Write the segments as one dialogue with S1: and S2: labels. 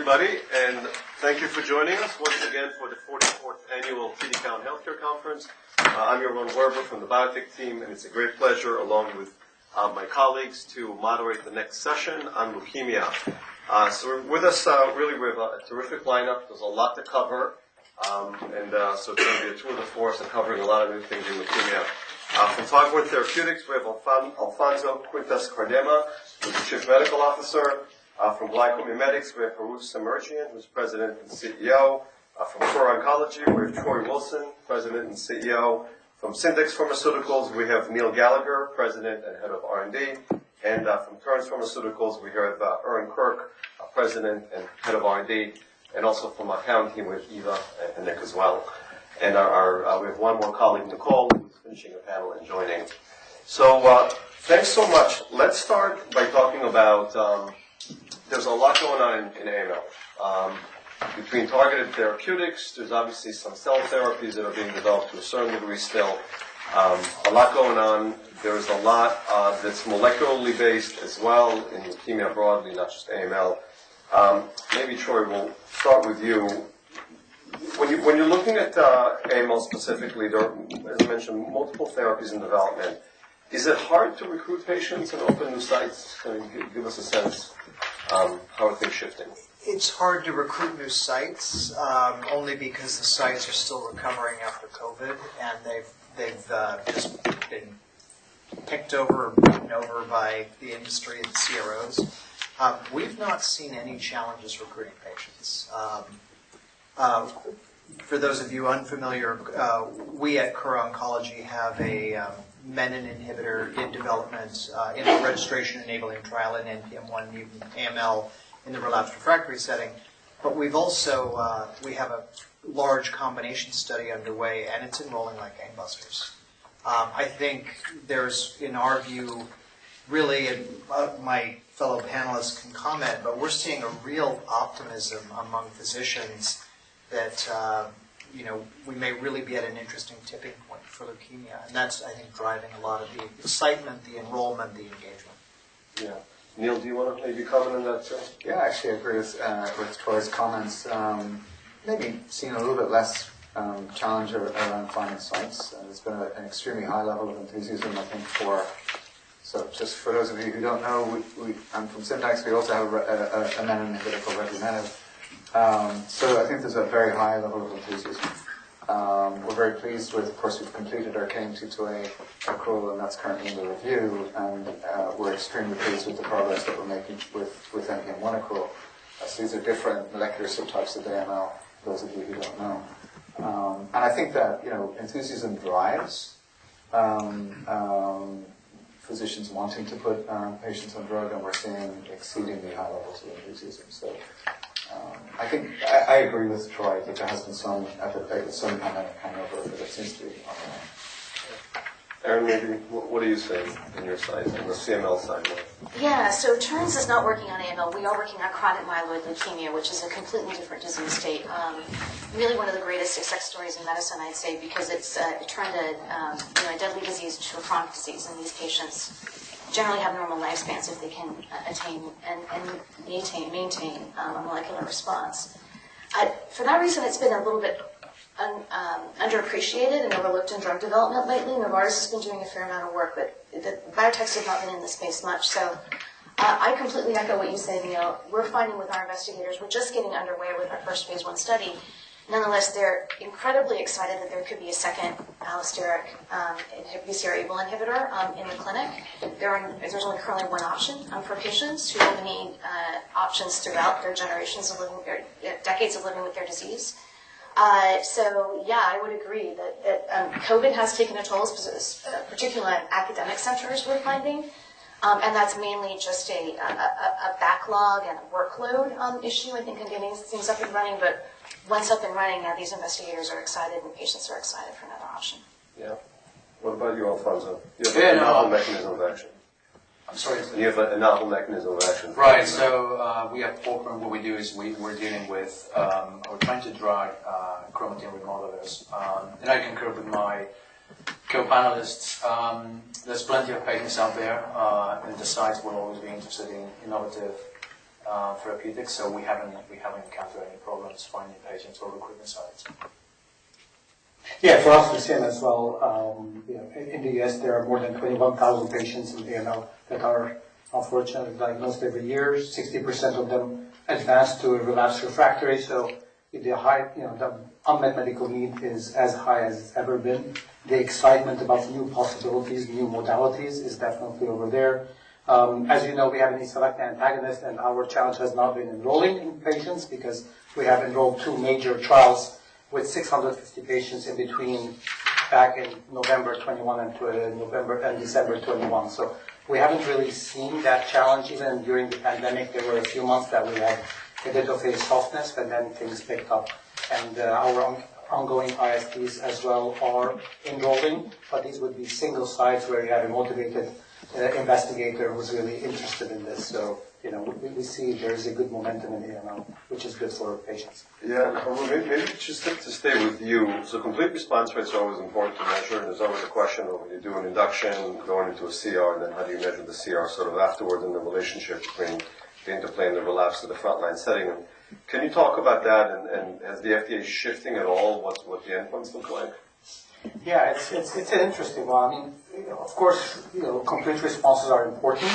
S1: All right, well, welcome everybody, and thank you for joining us once again for the 44th annual Citi Global Healthcare conference. I'm Yaron Werber from the biotech team, and it's a great pleasure, along with my colleagues, to moderate the next session on leukemia. So we're with us really with a terrific lineup. There's a lot to cover, and so it's going to be a tour de force in covering a lot of new things in leukemia. From Foghorn Therapeutics, we have Alfonso Quintás-Cardama, who's the Chief Medical Officer. From GlycoMimetics, we have Harout Semerjian, who's President and CEO. From Kura Oncology, we have Troy Wilson, President and CEO. From Syndax Pharmaceuticals, we have Neil Gallagher, President and Head of R&D. And from Terns Pharmaceuticals, we have Erin Quirk, President and Head of R&D. And also from our own team, we have Eva and Nick as well. We have one more colleague, Nicole, who's finishing the panel and joining. Thanks so much. Let's start by talking about, there's a lot going on in AML. Between targeted therapeutics, there's obviously some cell therapies that are being developed to a certain degree still. A lot going on. There's a lot that's molecularly based as well in leukemia broadly, not just AML. Maybe, Troy, we'll start with you. When you're looking at AML specifically, there are, as I mentioned, multiple therapies in development. Is it hard to recruit patients and open new sites? Kind of give us a sense how are things shifting.
S2: It's hard to recruit new sites only because the sites are still recovering after COVID, and they've just been picked over and broken over by the industry and CROs. We've not seen any challenges recruiting patients. For those of you unfamiliar, we at Kura Oncology have a menin inhibitor in development, in a registration-enabling trial in NPM1-mutant AML, in the relapsed/refractory setting. But we have a large combination study underway, and it's enrolling like gangbusters. I think there's, in our view, really, and my fellow panelists can comment, but we're seeing a real optimism among physicians that we may really be at an interesting tipping point for leukemia. And that's, I think, driving a lot of the excitement, the enrollment, the engagement.
S1: Yeah. Neil, do you want to maybe comment on that too?
S3: Yeah, actually, I agree with Troy's comments. Maybe seeing a little bit less challenge around finding sites. There's been an extremely high level of enthusiasm, I think, for so just for those of you who don't know, I'm from Syndax. We also have a menin inhibitor called revumenib. So I think there's a very high level of enthusiasm. We're very pleased with, of course, we've completed our KMT2A accrual, and that's currently under review. And we're extremely pleased with the progress that we're making with NPM1 accrual. So these are different molecular subtypes of AML, for those of you who don't know. And I think that enthusiasm drives physicians wanting to put patients on drug, and we're seeing exceedingly high levels of enthusiasm. So I agree with Troy that there has been some effort. There was some pandemic hangover, but it seems to be on the way.
S1: Erin, maybe what do you see in your side? On the CML side, what?
S3: Yeah. So Terns is not working on AML. We are working on chronic myeloid leukemia, which is a completely different disease state. Really one of the greatest success stories in medicine, I'd say, because it's turning a deadly disease into a chronic disease, and these patients generally have normal lifespans if they can attain and maintain a molecular response. For that reason, it's been a little bit underappreciated and overlooked in drug development lately. Novartis has been doing a fair amount of work, but biotechs have not been in the space much. So I completely echo what you said, Neil. We're finding with our investigators, we're just getting underway with our first phase one study. Nonetheless, they're incredibly excited that there could be a second allosteric BCR-ABL inhibitor in the clinic. There's only currently one option for patients who have many options throughout their generations of living or decades of living with their disease. So yeah, I would agree that COVID has taken a toll, particularly on academic centers, we're finding. And that's mainly just a backlog and a workload issue, I think, and getting things up and running. But once up and running, now these investigators are excited, and patients are excited for another option.
S1: Yeah. What about you, Alfonso? You have a novel mechanism of action.
S4: I'm sorry, is there?
S2: You have a novel mechanism of action.
S4: Right. So we have Fulcrum. What we do is we're dealing with or trying to drug chromatin remodelers. And I concur with my co-panelists. There's plenty of patients out there, and the sites will always be interested in innovative therapeutics. So we haven't encountered any problems finding patients or recruiting sites.
S5: Yeah. For us to see them as well, in the U.S., there are more than 21,000 patients in AML that are, unfortunately, diagnosed every year. 60% of them advance to a relapsed refractory. So if the unmet medical need is as high as it's ever been, the excitement about new possibilities, new modalities, is definitely over there. As you know, we have E-selectin antagonists, and our challenge has not been enrolling in patients because we have enrolled two major trials with 650 patients in between back in November 2021 and December 2021. So we haven't really seen that challenge. Even during the pandemic, there were a few months that we had a bit of a softness, but then things picked up. And our ongoing ISTs as well are enrolling, but these would be single sites where you had a motivated investigator who was really interested in this. We see there is a good momentum in AML, which is good for patients.
S1: Yeah. Maybe just to stay with you, so complete response rates are always important to measure, and it's always a question of when you do an induction, going into a CR, and then how do you measure the CR sort of afterwards and the relationship between the interplay and the relapse to the frontline setting. Can you talk about that? And is the FDA shifting at all? What the endpoints look like?
S5: Yeah. It's an interesting one. I mean, of course, complete responses are important.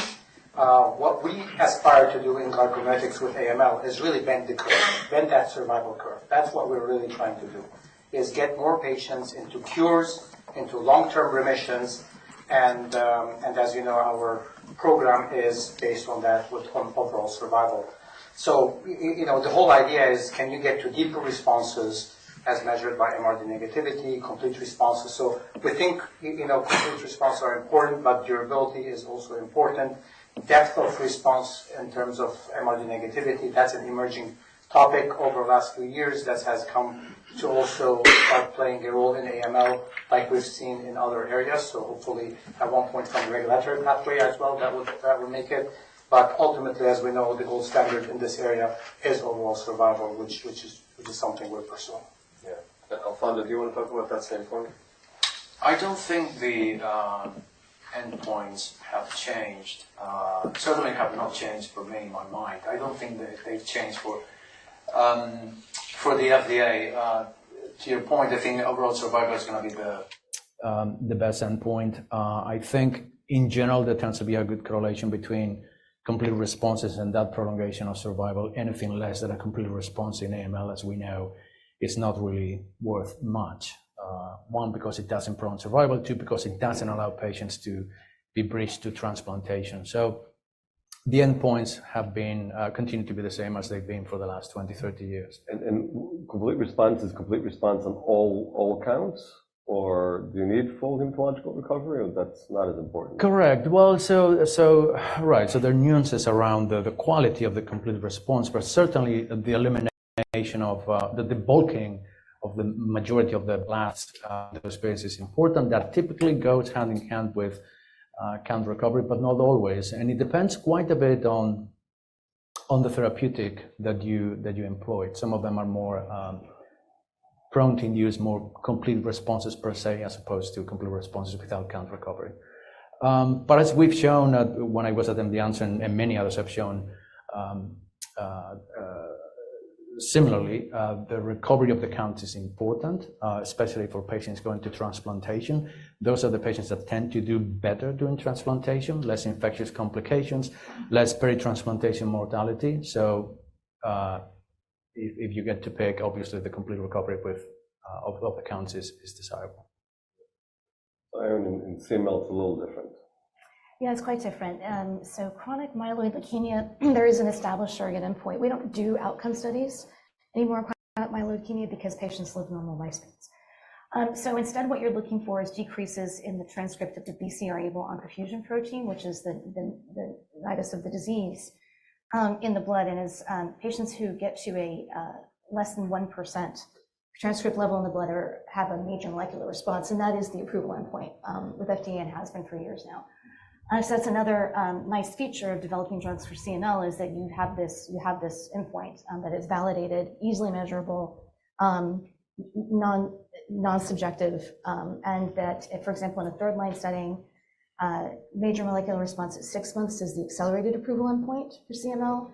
S5: What we aspire to do in GlycoMimetics with AML is really bend the curve, bend that survival curve. That's what we're really trying to do, is get more patients into cures, into long-term remissions. And as you know, our program is based on that with overall survival. So the whole idea is, can you get to deeper responses as measured by MRD negativity, complete responses? So we think complete responses are important, but durability is also important. Depth of response in terms of MRD negativity, that's an emerging topic over the last few years that has come to also start playing a role in AML like we've seen in other areas. So hopefully, at one point, from the regulatory pathway as well, that would make it. Ultimately, as we know, the gold standard in this area is overall survival, which is something we're pursuing.
S1: Yeah. Alfonso, do you want to talk about that same point?
S4: I don't think the endpoints have changed. Certainly, have not changed for me in my mind. I don't think that they've changed for the FDA. To your point, I think overall survival is going to be the best endpoint. I think, in general, there tends to be a good correlation between complete responses and that prolongation of survival. Anything less than a complete response in AML, as we know, is not really worth much. One, because it doesn't prolong survival. Two, because it doesn't allow patients to be bridged to transplantation. So the endpoints have continued to be the same as they've been for the last 20, 30 years.
S1: Complete response is complete response on all counts, or do you need full hematologic recovery, or that's not as important?
S4: Correct. Well, so, right. So there are nuances around the quality of the complete response, but certainly, the elimination of the bulk of the majority of the blasts that are experienced is important. That typically goes hand in hand with hematologic recovery, but not always. And it depends quite a bit on the therapeutic that you employ. Some of them are more prone to induce more complete responses, per se, as opposed to complete responses without hematologic recovery. But as we've shown when I was at MD Anderson, and many others have shown similarly, the recovery of the counts is important, especially for patients going to transplantation. Those are the patients that tend to do better during transplantation, less infectious complications, less peritransplantation mortality. So if you get to pick, obviously, the complete recovery of the counts is desirable.
S1: So Erin, in CML, it's a little different.
S3: Yeah, it's quite different. So chronic myeloid leukemia, there is an established surrogate endpoint. We don't do outcome studies anymore on chronic myeloid leukemia because patients live normal lifespans. So instead, what you're looking for is decreases in the transcript of the BCR-ABL fusion protein, which is the nidus of the disease, in the blood. And it's patients who get to a less than 1% transcript level in the blood or have a major molecular response. And that is the approval endpoint with FDA and has been for years now. So that's another nice feature of developing drugs for CML is that you have this endpoint that is validated, easily measurable, non-subjective, and that, for example, in a third-line setting, major molecular response at six months is the accelerated approval endpoint for CML,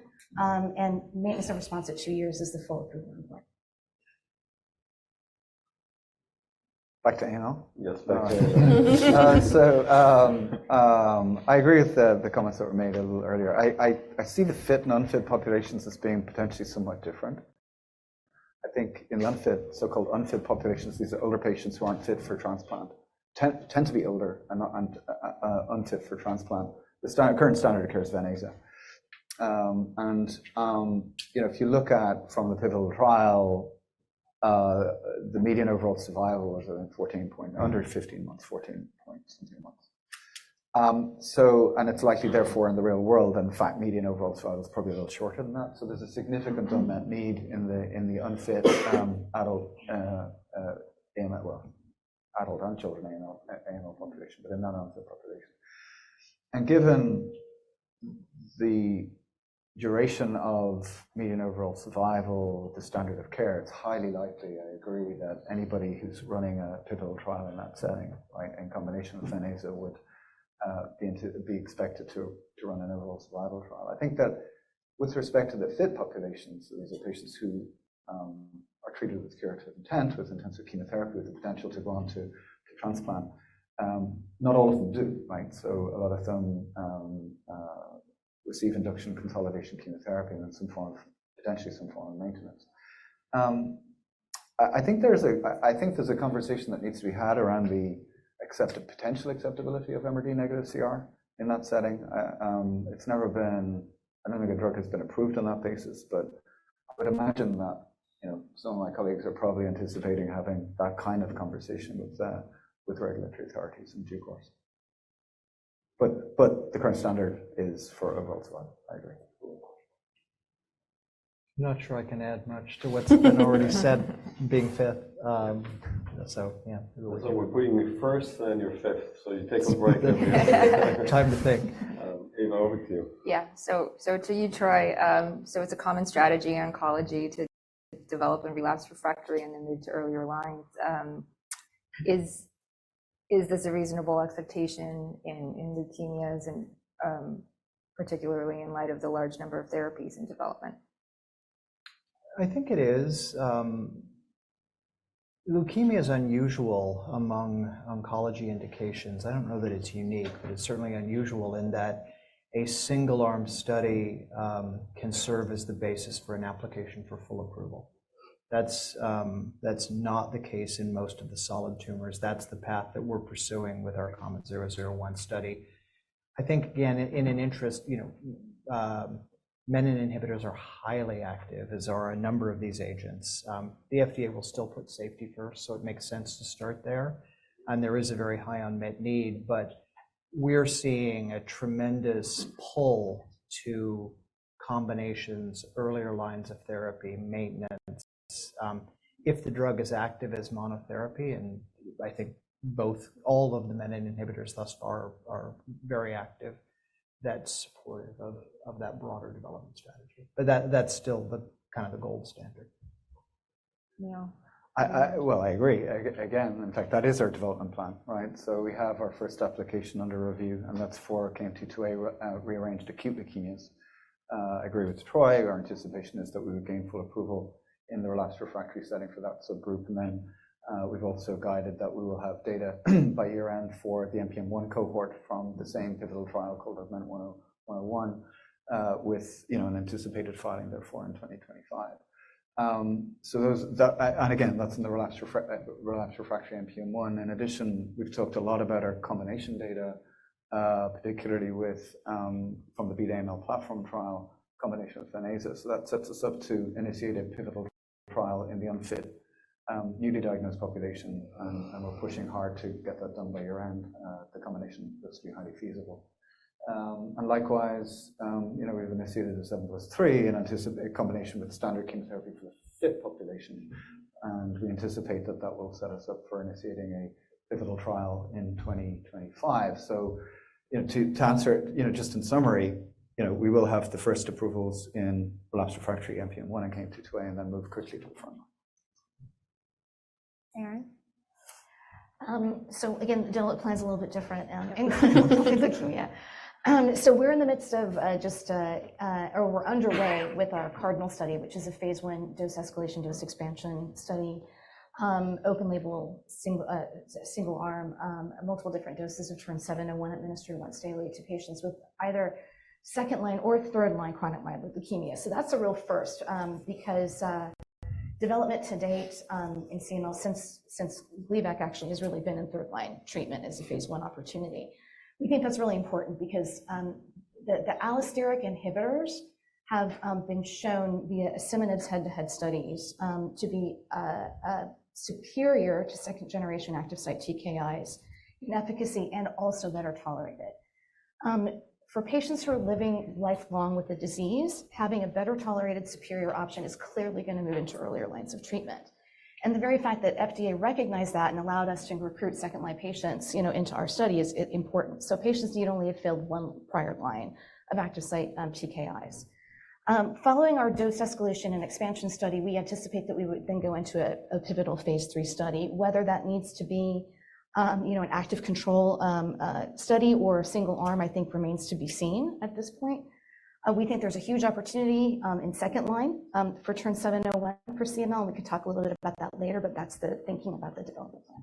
S3: and maintenance of response at two years is the full approval endpoint.
S1: Back to AML?
S6: Yes, back to AML. So I agree with the comments that were made a little earlier. I see the fit/non-fit populations as being potentially somewhat different. I think in so-called unfit populations, these are older patients who aren't fit for transplant, tend to be older and unfit for transplant. The current standard of care is Venclexta. And if you look at from the pivotal trial, the median overall survival was, I think, 14 point something under 15 months, 14 point something months. And it's likely, therefore, in the real world, in fact, median overall survival is probably a little shorter than that. So there's a significant unmet need in the unfit adult AML well, adult and children AML population, but in non-unfit population. Given the duration of median overall survival, the standard of care, it's highly likely, I agree, that anybody who's running a pivotal trial in that setting, right, in combination with Venclexta, would be expected to run an overall survival trial. I think that with respect to the fit populations, these are patients who are treated with curative intent, with intensive chemotherapy, with the potential to go on to transplant. Not all of them do, right? So a lot of them receive induction consolidation chemotherapy and then some form of potentially some form of maintenance. I think there's a conversation that needs to be had around the potential acceptability of MRD negative CR in that setting. I don't think a drug has been approved on that basis, but I would imagine that some of my colleagues are probably anticipating having that kind of conversation with regulatory authorities in due course. But the current standard is for overall survival. I agree.
S2: I'm not sure I can add much to what's been already said being fifth. So yeah.
S6: We're putting you first, then you're fifth. You take a break.
S2: Time to think.
S7: Eva, over to you. Yeah. So to you, Troy, so it's a common strategy in oncology to develop and relapse refractory and then move to earlier lines. Is this a reasonable expectation in leukemias, particularly in light of the large number of therapies in development?
S2: I think it is. Leukemia is unusual among oncology indications. I don't know that it's unique, but it's certainly unusual in that a single-arm study can serve as the basis for an application for full approval. That's not the case in most of the solid tumors. That's the path that we're pursuing with our KOMET-001 study. I think, again, interestingly, menin inhibitors are highly active, as are a number of these agents. The FDA will still put safety first, so it makes sense to start there. And there is a very high unmet need, but we're seeing a tremendous pull to combinations, earlier lines of therapy, maintenance. If the drug is active as monotherapy, and I think all of the menin inhibitors thus far are very active, that's supportive of that broader development strategy. But that's still kind of the gold standard.
S7: Yeah.
S2: Well, I agree. Again, in fact, that is our development plan, right? So we have our first application under review, and that's for KMT2A-rearranged acute leukemias. I agree with Troy. Our anticipation is that we would gain full approval in the relapse refractory setting for that subgroup. And then we've also guided that we will have data by year-end for the NPM1 cohort from the same pivotal trial called AUGMENT-101 with an anticipated filing, therefore, in 2025. And again, that's in the relapse refractory NPM1. In addition, we've talked a lot about our combination data, particularly from the BEAT AML platform trial, combination with venetoclax. So that sets us up to initiate a pivotal trial in the unfit, newly diagnosed population. And we're pushing hard to get that done by year-end. The combination looks to be highly feasible. And likewise, we've initiated a 7+3 in combination with standard chemotherapy for the fit population. We anticipate that that will set us up for initiating a pivotal trial in 2025. So to answer it, just in summary, we will have the first approvals in relapse refractory NPM1 and KMT2A, and then move quickly to the frontline.
S7: Erin?
S3: So again, the dev plan's a little bit different in clinical leukemia. We're underway with our CARDINAL study, which is a phase one dose escalation, dose expansion study, open-label single-arm, multiple different doses of TRN-701 administered once daily to patients with either second-line or third-line chronic myeloid leukemia. That's a real first because development to date in CML, since Gleevec actually has really been in third-line treatment as a phase one opportunity. We think that's really important because the allosteric inhibitors have been shown via preclinical head-to-head studies to be superior to second-generation active site TKIs in efficacy and also better tolerated. For patients who are living lifelong with the disease, having a better tolerated, superior option is clearly going to move into earlier lines of treatment. The very fact that FDA recognized that and allowed us to recruit second-line patients into our study is important. Patients need only a failed 1 prior line of active site TKIs. Following our dose escalation and expansion study, we anticipate that we would then go into a pivotal phase III study. Whether that needs to be an active control study or single-arm, I think, remains to be seen at this point. We think there's a huge opportunity in second line for TRN-701 for CML. We could talk a little bit about that later, but that's the thinking about the development plan.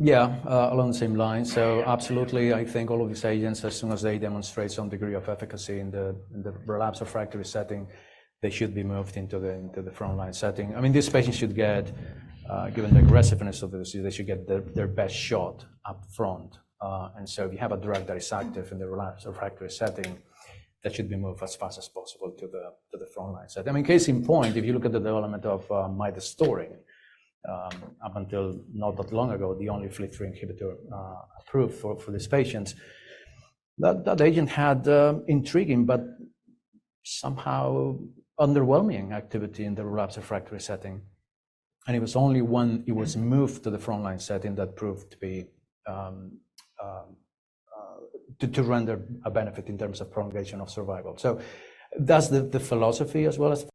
S4: Yeah, along the same lines. So absolutely, I think all of these agents, as soon as they demonstrate some degree of efficacy in the relapse refractory setting, they should be moved into the frontline setting. I mean, these patients should get, given the aggressiveness of the disease, they should get their best shot up front. And so if you have a drug that is active in the relapse refractory setting, that should be moved as fast as possible to the frontline setting. I mean, case in point, if you look at the development of midostaurin up until not that long ago, the only FLT3 inhibitor approved for these patients, that agent had intriguing, but somehow underwhelming activity in the relapse refractory setting. And it was only when it was moved to the frontline setting that proved to render a benefit in terms of prolongation of survival. That's the philosophy as well as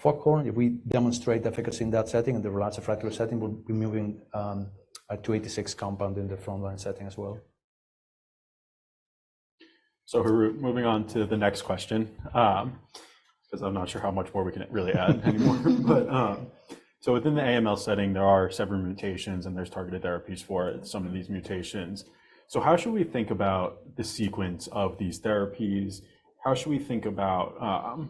S4: Foghorn. If we demonstrate efficacy in that setting and the relapsed/refractory setting, we'll be moving the FHD-286 compound in the frontline setting as well.
S8: Moving on to the next question because I'm not sure how much more we can really add anymore. Within the AML setting, there are several mutations, and there's targeted therapies for some of these mutations. How should we think about the sequence of these therapies? How should we think about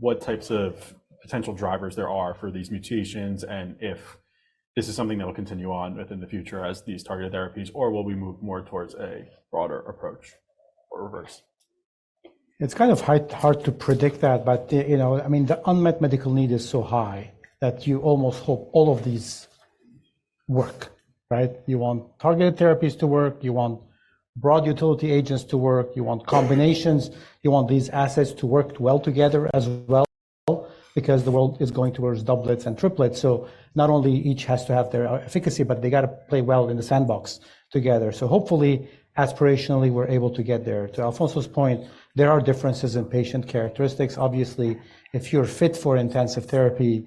S8: what types of potential drivers there are for these mutations, and if this is something that will continue on within the future as these targeted therapies, or will we move more towards a broader approach or reverse?
S6: It's kind of hard to predict that. But I mean, the unmet medical need is so high that you almost hope all of these work, right? You want targeted therapies to work. You want broad utility agents to work. You want combinations. You want these assets to work well together as well because the world is going towards doublets and triplets. So not only each has to have their efficacy, but they got to play well in the sandbox together. So hopefully, aspirationally, we're able to get there. To Alfonso's point, there are differences in patient characteristics. Obviously, if you're fit for intensive therapy,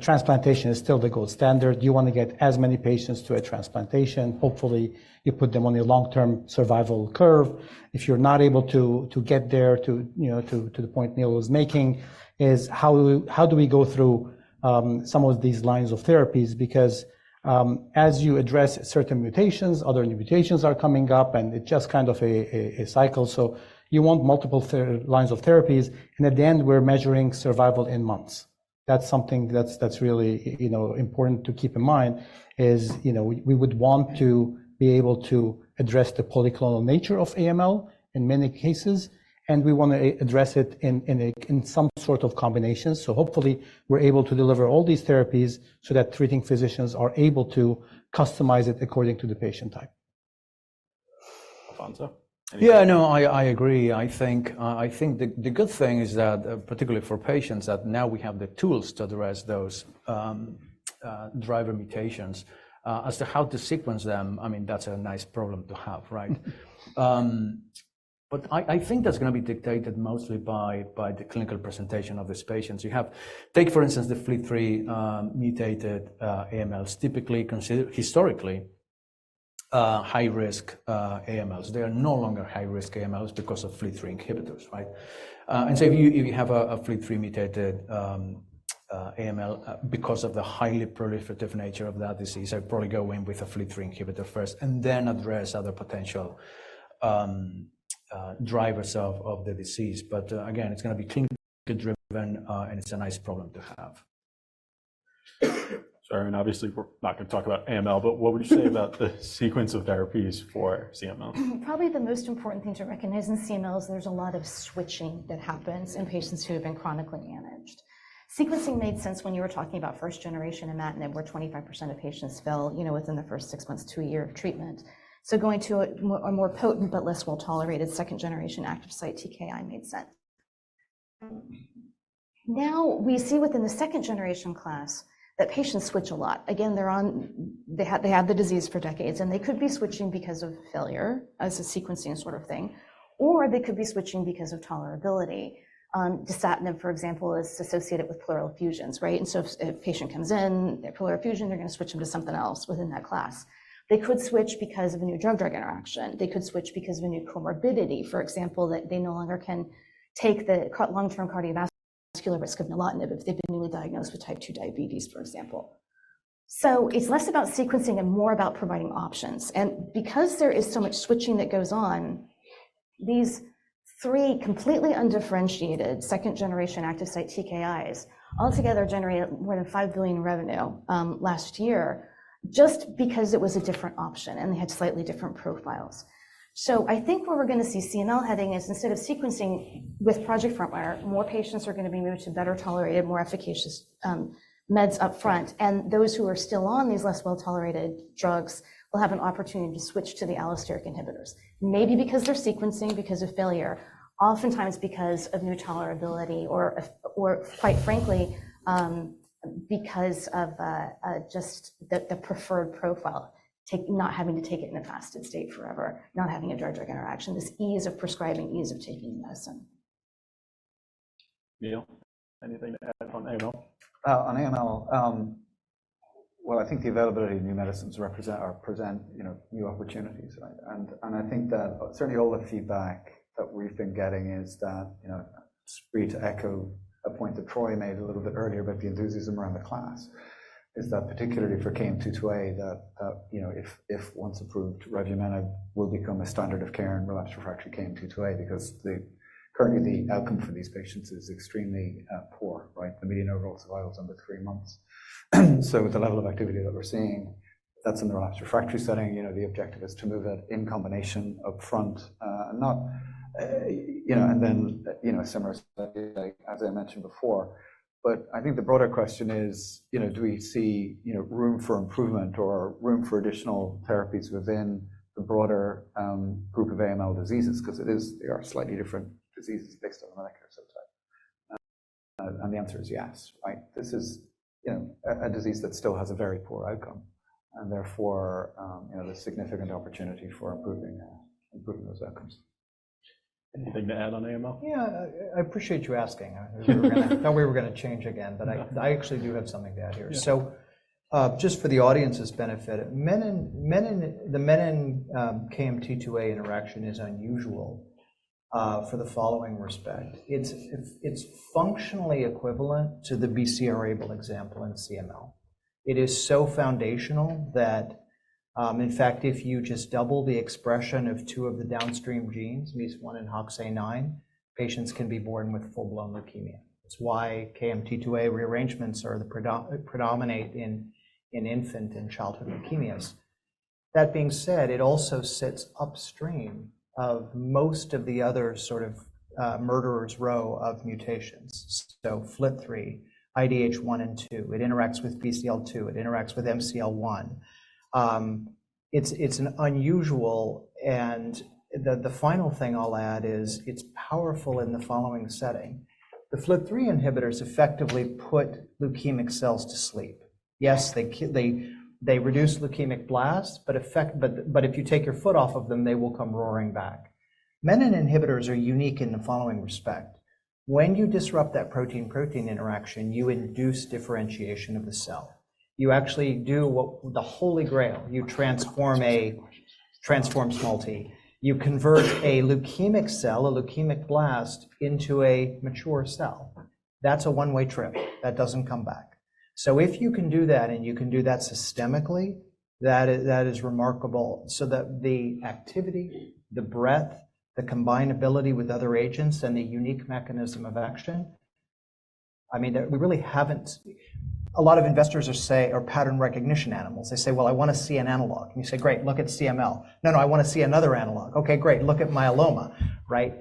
S6: transplantation is still the gold standard. You want to get as many patients to a transplantation. Hopefully, you put them on a long-term survival curve. If you're not able to get there to the point Neil was making, is how do we go through some of these lines of therapies? Because as you address certain mutations, other new mutations are coming up, and it's just kind of a cycle. So you want multiple lines of therapies. And at the end, we're measuring survival in months. That's something that's really important to keep in mind, is we would want to be able to address the polyclonal nature of AML in many cases. And we want to address it in some sort of combination. So hopefully, we're able to deliver all these therapies so that treating physicians are able to customize it according to the patient type.
S8: Alfonso?
S4: Yeah, no, I agree. I think the good thing is that, particularly for patients, that now we have the tools to address those driver mutations. As to how to sequence them, I mean, that's a nice problem to have, right? But I think that's going to be dictated mostly by the clinical presentation of these patients. Take, for instance, the FLT3 mutated AMLs, typically considered historically high-risk AMLs. They are no longer high-risk AMLs because of FLT3 inhibitors, right? And so if you have a FLT3 mutated AML because of the highly proliferative nature of that disease, I'd probably go in with a FLT3 inhibitor first and then address other potential drivers of the disease. But again, it's going to be clinically driven, and it's a nice problem to have.
S8: Erin, obviously, we're not going to talk about AML, but what would you say about the sequence of therapies for CML?
S3: Probably the most important thing to recognize in CML is there's a lot of switching that happens in patients who have been chronically managed. Sequencing made sense when you were talking about first-generation and imatinib, where 25% of patients fail within the first six months, two years of treatment. So going to a more potent but less well-tolerated second-generation active site TKI made sense. Now, we see within the second-generation class that patients switch a lot. Again, they have the disease for decades, and they could be switching because of failure as a sequencing sort of thing, or they could be switching because of tolerability. Dasatinib, for example, is associated with pleural effusions, right? And so if a patient comes in, they're pleural effusion, they're going to switch them to something else within that class. They could switch because of a new drug-drug interaction. They could switch because of a new comorbidity, for example, that they no longer can take the long-term cardiovascular risk of nilotinib if they've been newly diagnosed with type II diabetes, for example. So it's less about sequencing and more about providing options. And because there is so much switching that goes on, these three completely undifferentiated second-generation active site TKIs altogether generated more than $5 billion in revenue last year just because it was a different option, and they had slightly different profiles. So I think what we're going to see CML heading is instead of sequencing with Project FRONTWIRE, more patients are going to be moved to better tolerated, more efficacious meds upfront. Those who are still on these less well-tolerated drugs will have an opportunity to switch to the allosteric inhibitors, maybe because they're sequencing, because of failure, oftentimes because of new tolerability, or quite frankly, because of just the preferred profile, not having to take it in a fasted state forever, not having a drug-drug interaction, this ease of prescribing, ease of taking medicine.
S8: Neil, anything to add on AML?
S6: On AML, well, I think the availability of new medicines represent new opportunities, right? And I think that certainly all the feedback that we've been getting is that, to echo a point that Troy made a little bit earlier about the enthusiasm around the class, is that particularly for KMT2A, that if once approved, revumenib will become a standard of care in relapse refractory KMT2A because currently, the outcome for these patients is extremely poor, right? The median overall survival is under three months. So with the level of activity that we're seeing, that's in the relapse refractory setting. The objective is to move it in combination upfront and then a similar study, as I mentioned before. But I think the broader question is, do we see room for improvement or room for additional therapies within the broader group of AML diseases? Because they are slightly different diseases based on the molecular subtype. The answer is yes, right? This is a disease that still has a very poor outcome. Therefore, there's significant opportunity for improving those outcomes.
S8: Anything to add on AML?
S2: Yeah, I appreciate you asking. I thought we were going to change again, but I actually do have something to add here. So just for the audience's benefit, the menin and KMT2A interaction is unusual for the following respect. It's functionally equivalent to the BCR-ABL example in CML. It is so foundational that, in fact, if you just double the expression of two of the downstream genes, MEIS1 and HOXA9, patients can be born with full-blown leukemia. It's why KMT2A rearrangements predominate in infant and childhood leukemias. That being said, it also sits upstream of most of the other sort of murderer's row of mutations. So FLT3, IDH1 and 2, it interacts with BCL-2. It interacts with MCL-1. It's unusual. And the final thing I'll add is it's powerful in the following setting. The FLT3 inhibitors effectively put leukemic cells to sleep. Yes, they reduce leukemic blasts, but if you take your foot off of them, they will come roaring back. Menin inhibitors are unique in the following respect. When you disrupt that protein-protein interaction, you induce differentiation of the cell. You actually do the Holy Grail. You transform small T. You convert a leukemic cell, a leukemic blast, into a mature cell. That's a one-way trip. That doesn't come back. So if you can do that and you can do that systemically, that is remarkable. So the activity, the breadth, the combinability with other agents, and the unique mechanism of action, I mean, we really have it. A lot of investors are pattern recognition animals. They say, "Well, I want to see an analog." And you say, "Great, look at CML." "No, no, I want to see another analog." "Okay, great, look at myeloma," right?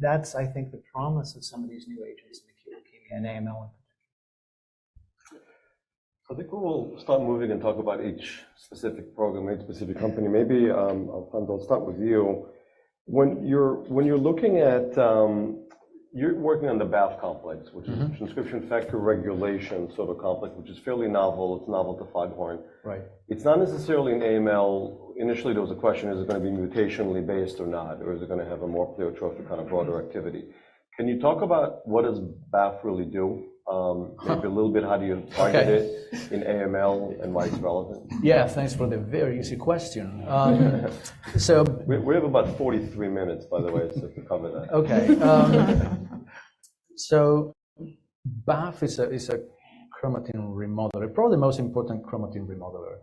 S2: That's, I think, the promise of some of these new agents in acute leukemia and AML in particular.
S8: I think we'll start moving and talk about each specific program, each specific company. Maybe, Alfonso, I'll start with you. When you're looking at you're working on the BAF complex, which is transcription factor regulation sort of complex, which is fairly novel. It's novel to Foghorn. It's not necessarily an AML. Initially, there was a question, is it going to be mutationally based or not, or is it going to have a more pleiotropic kind of broader activity? Can you talk about what does BAF really do? Maybe a little bit, how do you target it in AML, and why it's relevant?
S4: Yes, thanks for the very easy question.
S8: We have about 43 minutes, by the way, to cover that.
S4: Okay. So BAF is a chromatin remodeler, probably the most important chromatin remodeler.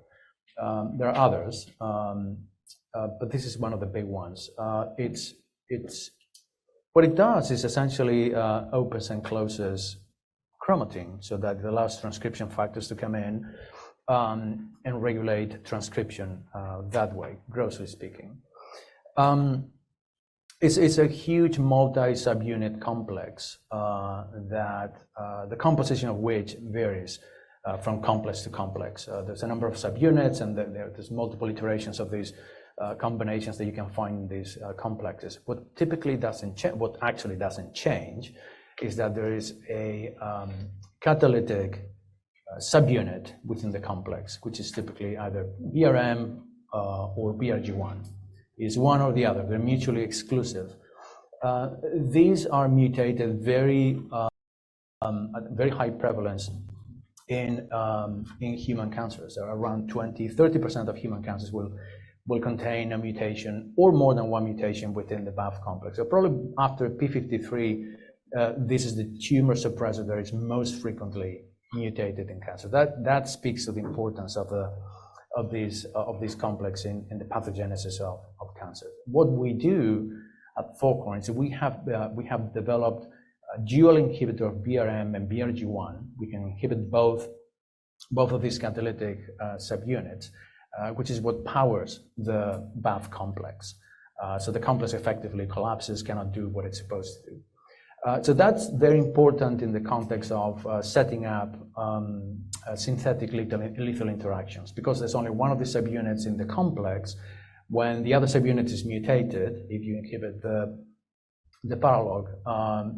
S4: There are others, but this is one of the big ones. What it does is essentially opens and closes chromatin so that it allows transcription factors to come in and regulate transcription that way, grossly speaking. It's a huge multi-subunit complex, the composition of which varies from complex to complex. There's a number of subunits, and there's multiple iterations of these combinations that you can find in these complexes. What actually doesn't change is that there is a catalytic subunit within the complex, which is typically either BRM or BRG1. It's one or the other. They're mutually exclusive. These are mutated very high prevalence in human cancers. Around 20%-30% of human cancers will contain a mutation or more than one mutation within the BAF complex. So probably after p53, this is the tumor suppressor that is most frequently mutated in cancer. That speaks to the importance of these complexes in the pathogenesis of cancers. What we do at Foghorn is we have developed a dual inhibitor of BRM and BRG1. We can inhibit both of these catalytic subunits, which is what powers the BAF complex. So the complex effectively collapses, cannot do what it's supposed to do. So that's very important in the context of setting up synthetic lethal interactions because there's only one of the subunits in the complex. When the other subunit is mutated, if you inhibit the paralog,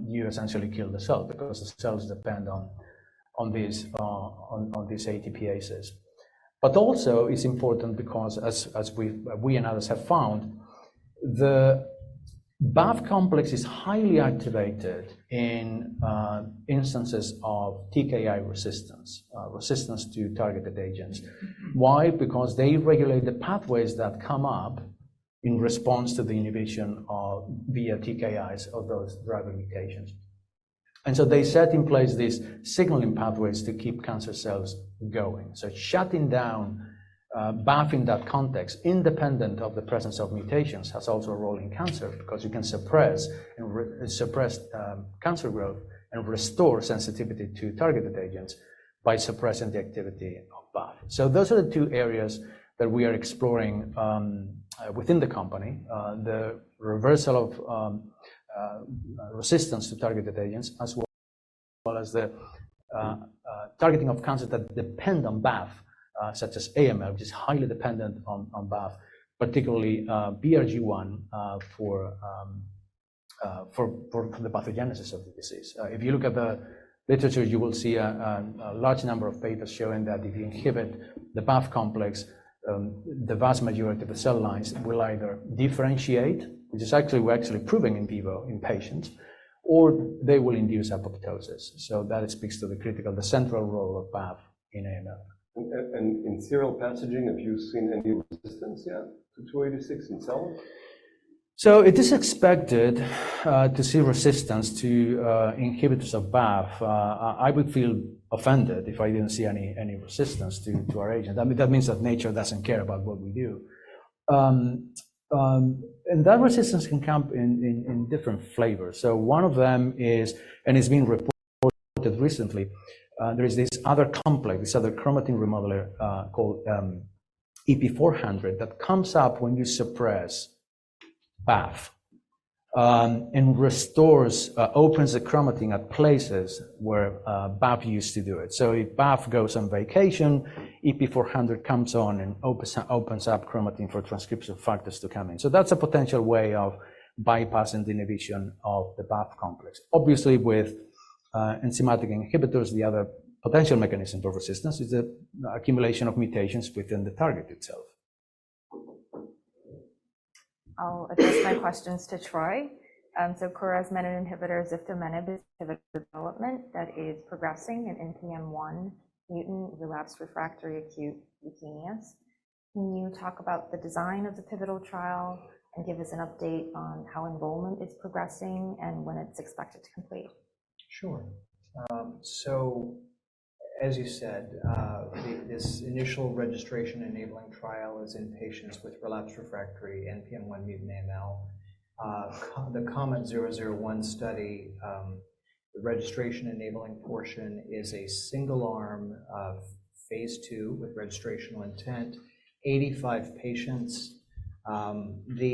S4: you essentially kill the cell because the cells depend on these ATPases. But also, it's important because, as we and others have found, the BAF complex is highly activated in instances of TKI resistance, resistance to targeted agents. Why? Because they regulate the pathways that come up in response to the inhibition via TKIs of those driver mutations. And so they set in place these signaling pathways to keep cancer cells going. So shutting down BAF in that context, independent of the presence of mutations, has also a role in cancer because you can suppress cancer growth and restore sensitivity to targeted agents by suppressing the activity of BAF. So those are the two areas that we are exploring within the company, the reversal of resistance to targeted agents as well as the targeting of cancers that depend on BAF, such as AML, which is highly dependent on BAF, particularly BRG1 for the pathogenesis of the disease. If you look at the literature, you will see a large number of papers showing that if you inhibit the BAF complex, the vast majority of the cell lines will either differentiate, which is actually we're actually proving in vivo in patients, or they will induce apoptosis. So that speaks to the central role of BAF in AML.
S1: In serial passaging, have you seen any resistance yet to 286 in cells?
S4: So it is expected to see resistance to inhibitors of BAF. I would feel offended if I didn't see any resistance to our agent. That means that nature doesn't care about what we do. And that resistance can come in different flavors. So one of them is, and it's been reported recently. There is this other complex, this other chromatin remodeler called EP400, that comes up when you suppress BAF and opens the chromatin at places where BAF used to do it. So if BAF goes on vacation, EP400 comes on and opens up chromatin for transcription factors to come in. So that's a potential way of bypassing the inhibition of the BAF complex. Obviously, with enzymatic inhibitors, the other potential mechanism for resistance is the accumulation of mutations within the target itself.
S7: I'll address my questions to Troy. So Kura has menin inhibitor ziftomenib as a pivotal development that is progressing in NPM1 mutant relapse refractory acute leukemias. Can you talk about the design of the pivotal trial and give us an update on how enrollment is progressing and when it's expected to complete?
S2: Sure. So as you said, this initial registration-enabling trial is in patients with relapse refractory NPM1-mutant AML. The COMET001 study, the registration-enabling portion is a single-arm phase II with registrational intent, 85 patients. The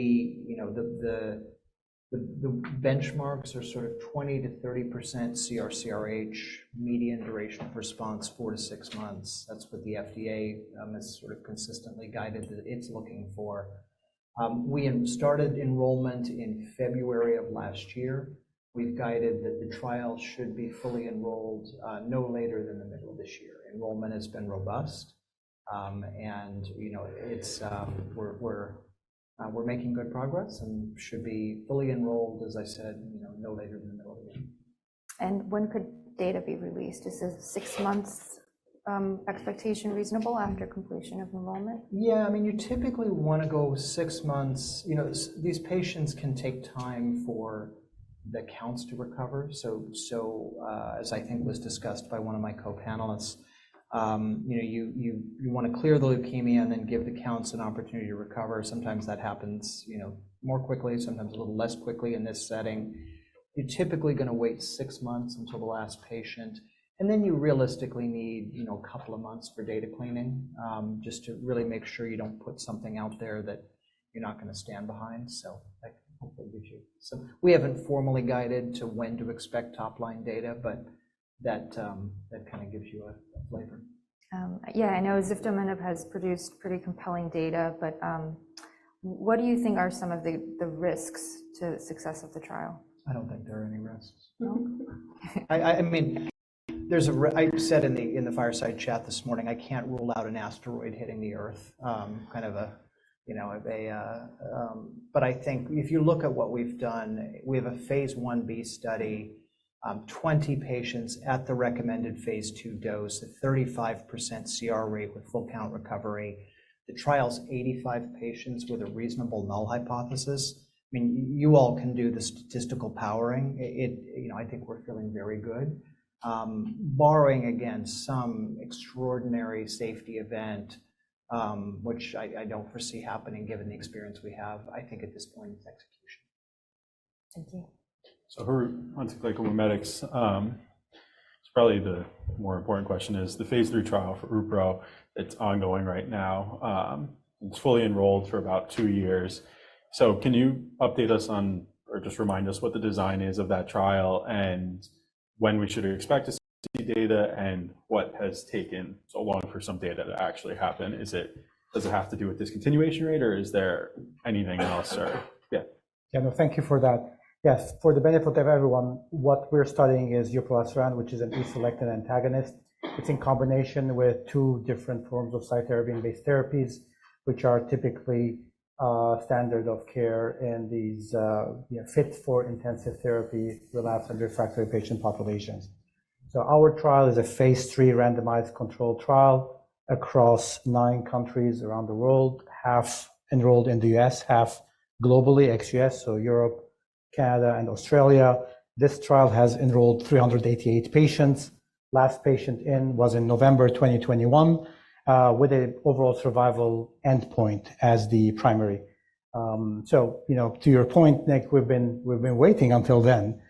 S2: benchmarks are sort of 20%-30% CR/CRh, median duration of response, four, six months. That's what the FDA has sort of consistently guided that it's looking for. We started enrollment in February of last year. We've guided that the trial should be fully enrolled no later than the middle of this year. Enrollment has been robust, and we're making good progress and should be fully enrolled, as I said, no later than the middle of the year.
S7: When could data be released? Is a six months expectation reasonable after completion of enrollment?
S2: Yeah, I mean, you typically want to go six months. These patients can take time for the counts to recover. So as I think was discussed by one of my co-panelists, you want to clear the leukemia and then give the counts an opportunity to recover. Sometimes that happens more quickly, sometimes a little less quickly in this setting. You're typically going to wait six months until the last patient. Then you realistically need a couple of months for data cleaning just to really make sure you don't put something out there that you're not going to stand behind. So that hopefully gives you. We haven't formally guided to when to expect top-line data, but that kind of gives you a flavor.
S7: Yeah, I know ziftomenib has produced pretty compelling data, but what do you think are some of the risks to the success of the trial?
S2: I don't think there are any risks. I mean, I said in the fireside chat this morning, I can't rule out an asteroid hitting the Earth, kind of a but I think if you look at what we've done, we have a phase Ib study, 20 patients at the recommended phase II dose, a 35% CR rate with full-count recovery. The trial's 85 patients with a reasonable null hypothesis. I mean, you all can do the statistical powering. I think we're feeling very good. Barring, again, some extraordinary safety event, which I don't foresee happening given the experience we have, I think at this point, it's execution.
S7: Thank you.
S8: Harout Semerjian, GlycoMimetics, it's probably the more important question is the phase III trial for uproleselan, it's ongoing right now. It's fully enrolled for about two years. So can you update us on or just remind us what the design is of that trial and when we should expect to see data and what has taken so long for some data to actually happen? Does it have to do with discontinuation rate, or is there anything else? Yeah.
S5: Yeah, no, thank you for that. Yes, for the benefit of everyone, what we're studying is uproleselan, which is an E-selectin antagonist. It's in combination with two different forms of chemotherapy-based therapies, which are typically standard of care and fit for intensive therapy, relapse and refractory patient populations. So our trial is a phase III randomized controlled trial across nine countries around the world, half enrolled in the U.S., half globally, ex-U.S., so Europe, Canada, and Australia. This trial has enrolled 388 patients. Last patient in was in November 2021 with an overall survival endpoint as the primary. So to your point, Nick, we've been waiting until then,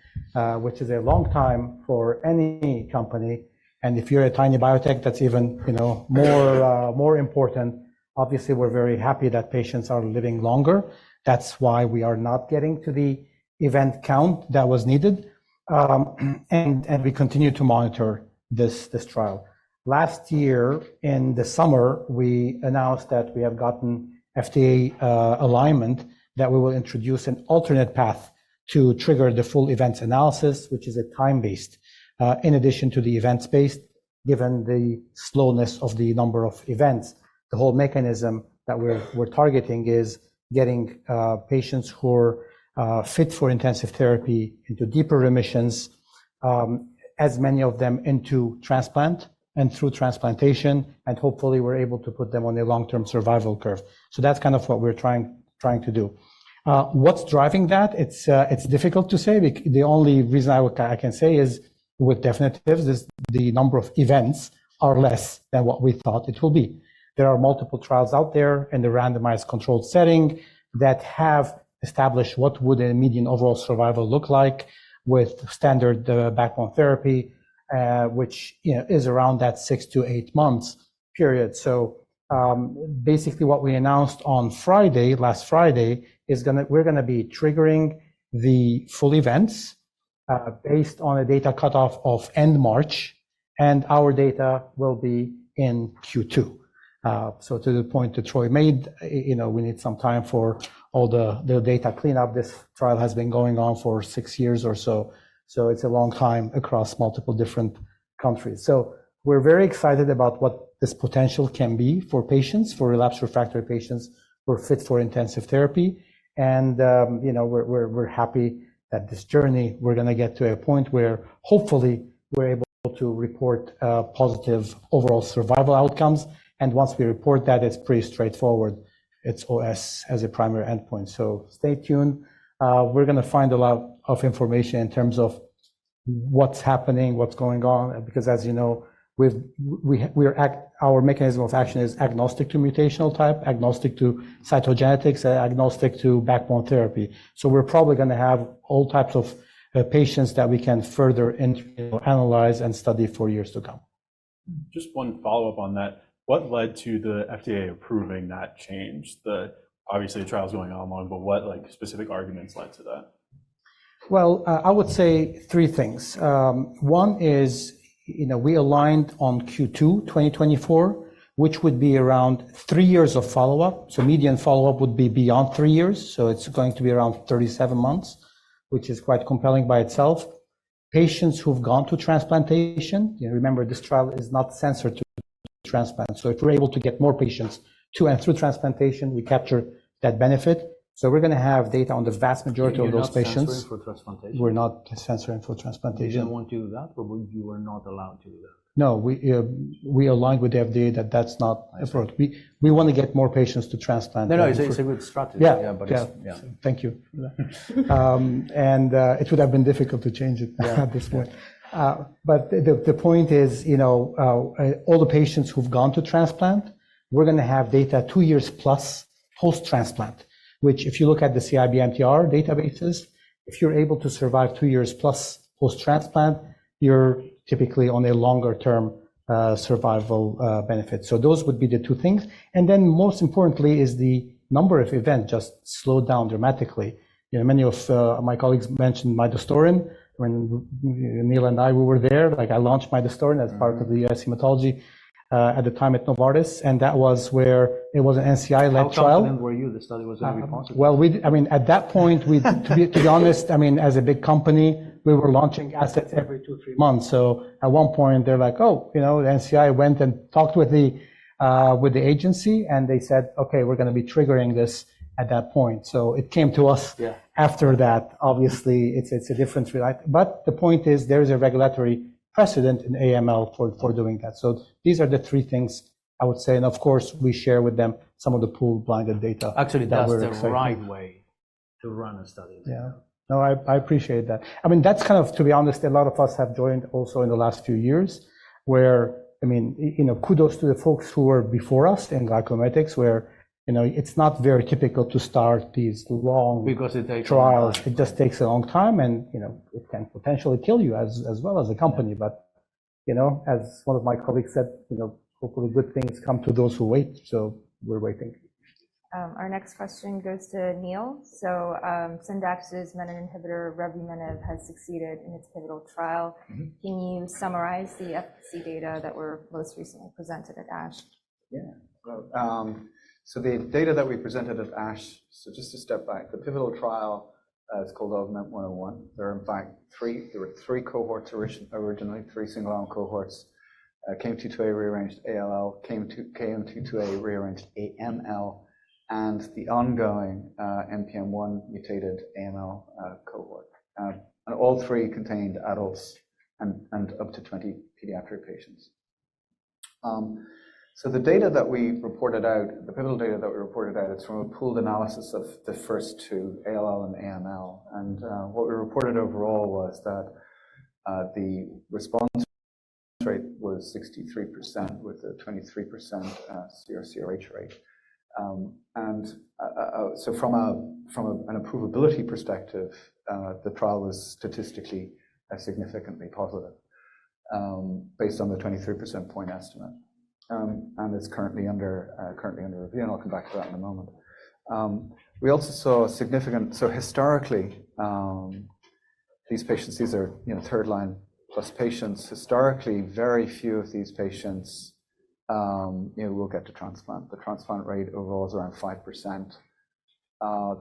S5: which is a long time for any company. And if you're a tiny biotech, that's even more important. Obviously, we're very happy that patients are living longer. That's why we are not getting to the event count that was needed. We continue to monitor this trial. Last year, in the summer, we announced that we have gotten FDA alignment that we will introduce an alternate path to trigger the full events analysis, which is a time-based in addition to the events-based, given the slowness of the number of events. The whole mechanism that we're targeting is getting patients who are fit for intensive therapy into deeper remissions, as many of them into transplant and through transplantation, and hopefully, we're able to put them on a long-term survival curve. So that's kind of what we're trying to do. What's driving that? It's difficult to say. The only reason I can say is with definitively, the number of events are less than what we thought it will be. There are multiple trials out there in the randomized controlled setting that have established what a median overall survival would look like with standard backbone therapy, which is around that six to eight months period. So basically, what we announced on Friday, last Friday, is that we're going to be triggering the full events based on a data cutoff of end March, and our data will be in Q2. So to the point that Troy made, we need some time for all the data cleanup. This trial has been going on for six years or so. So it's a long time across multiple different countries. So we're very excited about what this potential can be for patients, for relapsed refractory patients who are fit for intensive therapy. We're happy that this journey, we're going to get to a point where, hopefully, we're able to report positive overall survival outcomes. Once we report that, it's pretty straightforward. It's OS as a primary endpoint. Stay tuned. We're going to find a lot of information in terms of what's happening, what's going on because, as you know, our mechanism of action is agnostic to mutational type, agnostic to cytogenetics, agnostic to backbone therapy. We're probably going to have all types of patients that we can further analyze and study for years to come.
S8: Just one follow-up on that. What led to the FDA approving that change? Obviously, the trial's going on long, but what specific arguments led to that?
S4: Well, I would say three things. One is we aligned on Q2 2024, which would be around three years of follow-up. So median follow-up would be beyond three years. So it's going to be around 37 months, which is quite compelling by itself. Patients who've gone to transplantation, remember, this trial is not censored to transplant. So if we're able to get more patients through transplantation, we capture that benefit. So we're going to have data on the vast majority of those patients.
S1: You're not censoring for transplantation?
S4: We're not censoring for transplantation.
S1: You don't want to do that, or you were not allowed to do that?
S4: No, we aligned with the FDA that that's not appropriate. We want to get more patients to transplant.
S1: No, no, it's a good strategy.
S4: Yeah, yeah. Thank you for that. It would have been difficult to change it at this point. But the point is, all the patients who've gone to transplant, we're going to have data two years plus post-transplant, which if you look at the CIBMTR databases, if you're able to survive two years plus post-transplant, you're typically on a longer-term survival benefit. So those would be the two things. And then most importantly is the number of events just slowed down dramatically. Many of my colleagues mentioned midostaurin. When Neil and I, we were there. I launched midostaurin as part of the U.S. hematology at the time at Novartis. And that was where it was an NCI-led trial.
S1: How confident were you the study was going to be positive?
S4: Well, I mean, at that point, to be honest, I mean, as a big company, we were launching assets every two, three months. So at one point, they're like, "Oh, the NCI went and talked with the agency, and they said, 'Okay, we're going to be triggering this at that point.'" So it came to us after that. Obviously, it's a different but the point is there is a regulatory precedent in AML for doing that. So these are the three things, I would say. And of course, we share with them some of the pool-blinded data that we're seeing.
S1: Actually, that's the right way to run a study like that.
S4: Yeah. No, I appreciate that. I mean, that's kind of, to be honest, a lot of us have joined also in the last few years where, I mean, kudos to the folks who were before us in GlycoMimetics, where it's not very typical to start these long trials. It just takes a long time, and it can potentially kill you as well as a company. But as one of my colleagues said, hopefully, good things come to those who wait. So we're waiting.
S7: Our next question goes to Neil. So Syndax's menin inhibitor revumenib has succeeded in its pivotal trial. Can you summarize the efficacy data that were most recently presented at ASH?
S2: Yeah. So the data that we presented at ASH, so just to step back, the pivotal trial is called KOMET-001. There were, in fact, three cohorts originally, three single-arm cohorts: KMT2A-rearranged ALL, KMT2A-rearranged AML, and the ongoing NPM1-mutated AML cohort. And all three contained adults and up to 20 pediatric patients. So the data that we reported out, the pivotal data that we reported out, it's from a pooled analysis of the first two, ALL and AML. And what we reported overall was that the response rate was 63% with a 23% CR/CRh rate. And so from an approvability perspective, the trial was statistically significantly positive based on the 23% point estimate. And it's currently under review, and I'll come back to that in a moment. We also saw significant, so historically, these patients, these are third-line-plus patients. Historically, very few of these patients will get to transplant. The transplant rate overall is around 5%.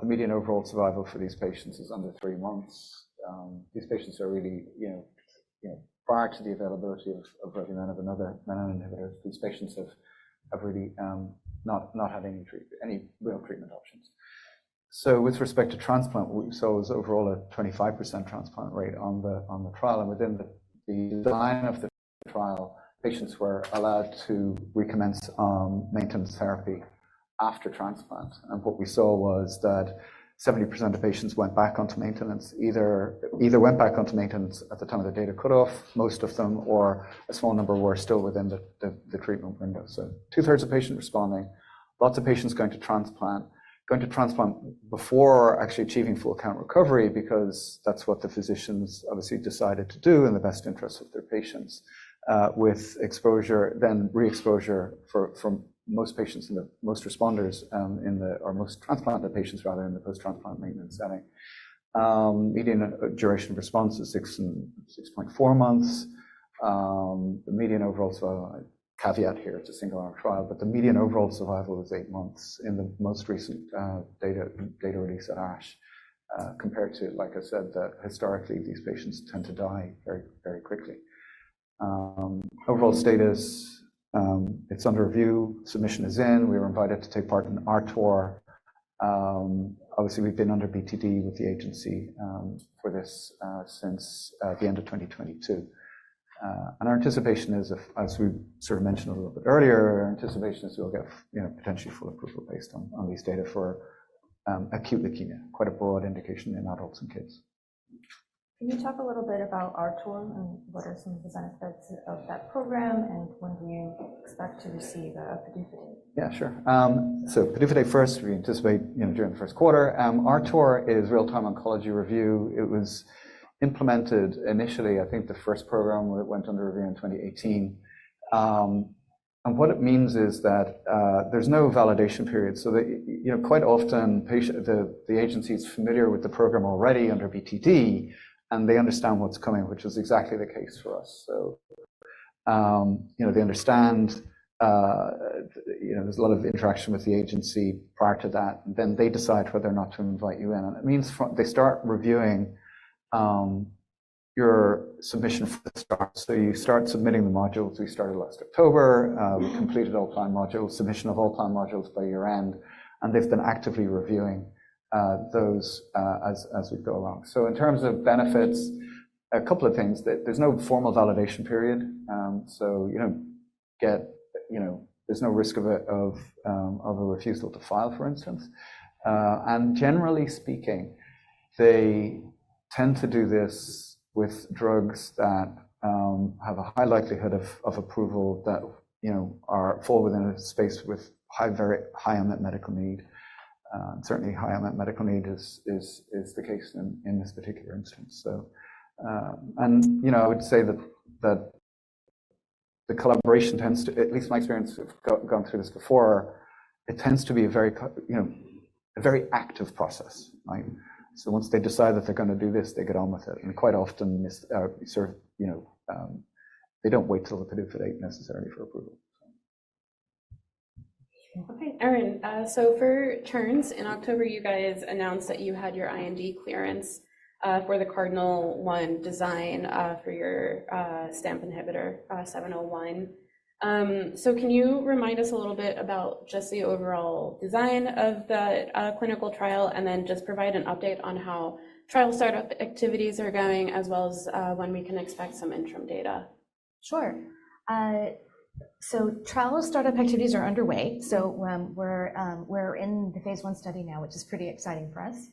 S2: The median overall survival for these patients is under three months. These patients are really prior to the availability of revumenib and other menin inhibitors, these patients have really not had any real treatment options. So with respect to transplant, we saw overall a 25% transplant rate on the trial. And within the line of the trial, patients were allowed to recommence maintenance therapy after transplant. And what we saw was that 70% of patients went back onto maintenance, either went back onto maintenance at the time of the data cutoff, most of them, or a small number were still within the treatment window. So two-thirds of patients responding, lots of patients going to transplant, going to transplant before actually achieving full-count recovery because that's what the physicians, obviously, decided to do in the best interests of their patients with exposure, then re-exposure for most patients in the most responders in the or most transplanted patients, rather, in the post-transplant maintenance setting. Median duration of response is six, four months. The median overall caveat here, it's a single-arm trial, but the median overall survival is eight months in the most recent data release at ASH compared to, like I said, that historically, these patients tend to die very, very quickly. Overall status, it's under review. Submission is in. We were invited to take part in RTOR. Obviously, we've been under BTD with the agency for this since the end of 2022. Our anticipation is, as we sort of mentioned a little bit earlier, our anticipation is we'll get potentially full approval based on these data for acute leukemia, quite a broad indication in adults and kids.
S7: Can you talk a little bit about our trial and what are some of the benefits of that program, and when do you expect to receive a PDUFA date?
S2: Yeah, sure. So PDUFA date first, we anticipate during the first quarter. RTOR is real-time oncology review. It was implemented initially, I think the first program went under review in 2018. And what it means is that there's no validation period. So quite often, the agency is familiar with the program already under BTD, and they understand what's coming, which is exactly the case for us. So they understand there's a lot of interaction with the agency prior to that. Then they decide whether or not to invite you in. And it means they start reviewing your submission from the start. So you start submitting the modules. We started last October. We completed all plan modules, submission of all plan modules by year-end. And they've been actively reviewing those as we go along. So in terms of benefits, a couple of things. There's no formal validation period. So there's no risk of a refusal to file, for instance. And generally speaking, they tend to do this with drugs that have a high likelihood of approval that fall within a space with high unmet medical need. Certainly, high unmet medical need is the case in this particular instance, so. And I would say that the collaboration tends to at least my experience of gone through this before, it tends to be a very active process, right? So once they decide that they're going to do this, they get on with it. And quite often, they don't wait till the PDUFA date necessarily for approval, so.
S7: Okay, Erin. So for Terns, in October, you guys announced that you had your IND clearance for the CARDINAL One design for your STAMP inhibitor TRN-701. So can you remind us a little bit about just the overall design of the clinical trial and then just provide an update on how trial startup activities are going, as well as when we can expect some interim data?
S3: Sure. Trial startup activities are underway. We're in the phase I study now, which is pretty exciting for us.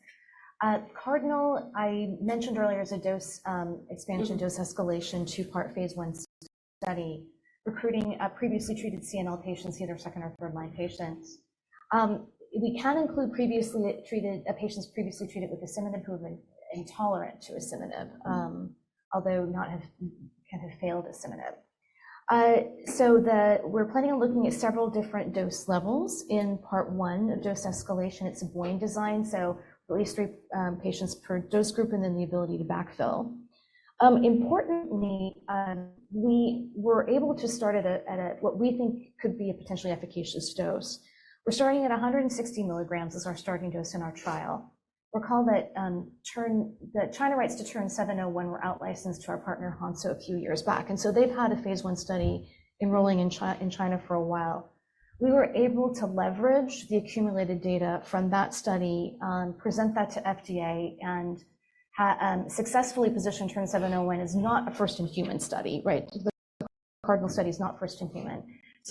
S3: Cardinal, I mentioned earlier, is a dose expansion, dose escalation, two-part phase I study, recruiting previously treated CNL patients, either second- or third-line patients. We can include a patient previously treated with asciminib who have been intolerant to asciminib, although not have kind of failed asciminib. We're planning on looking at several different dose levels in part one of dose escalation. It's a BOIN design, so at least three patients per dose group and then the ability to backfill. Importantly, we were able to start at what we think could be a potentially efficacious dose. We're starting at 160 milligrams as our starting dose in our trial. Recall that China rights to TRN-701 were outlicensed to our partner, Hansoh, a few years back. So they've had a phase I study enrolling in China for a while. We were able to leverage the accumulated data from that study, present that to FDA, and successfully positioned TRN-701 as not a first-in-human study, right? The Cardinal study is not first-in-human.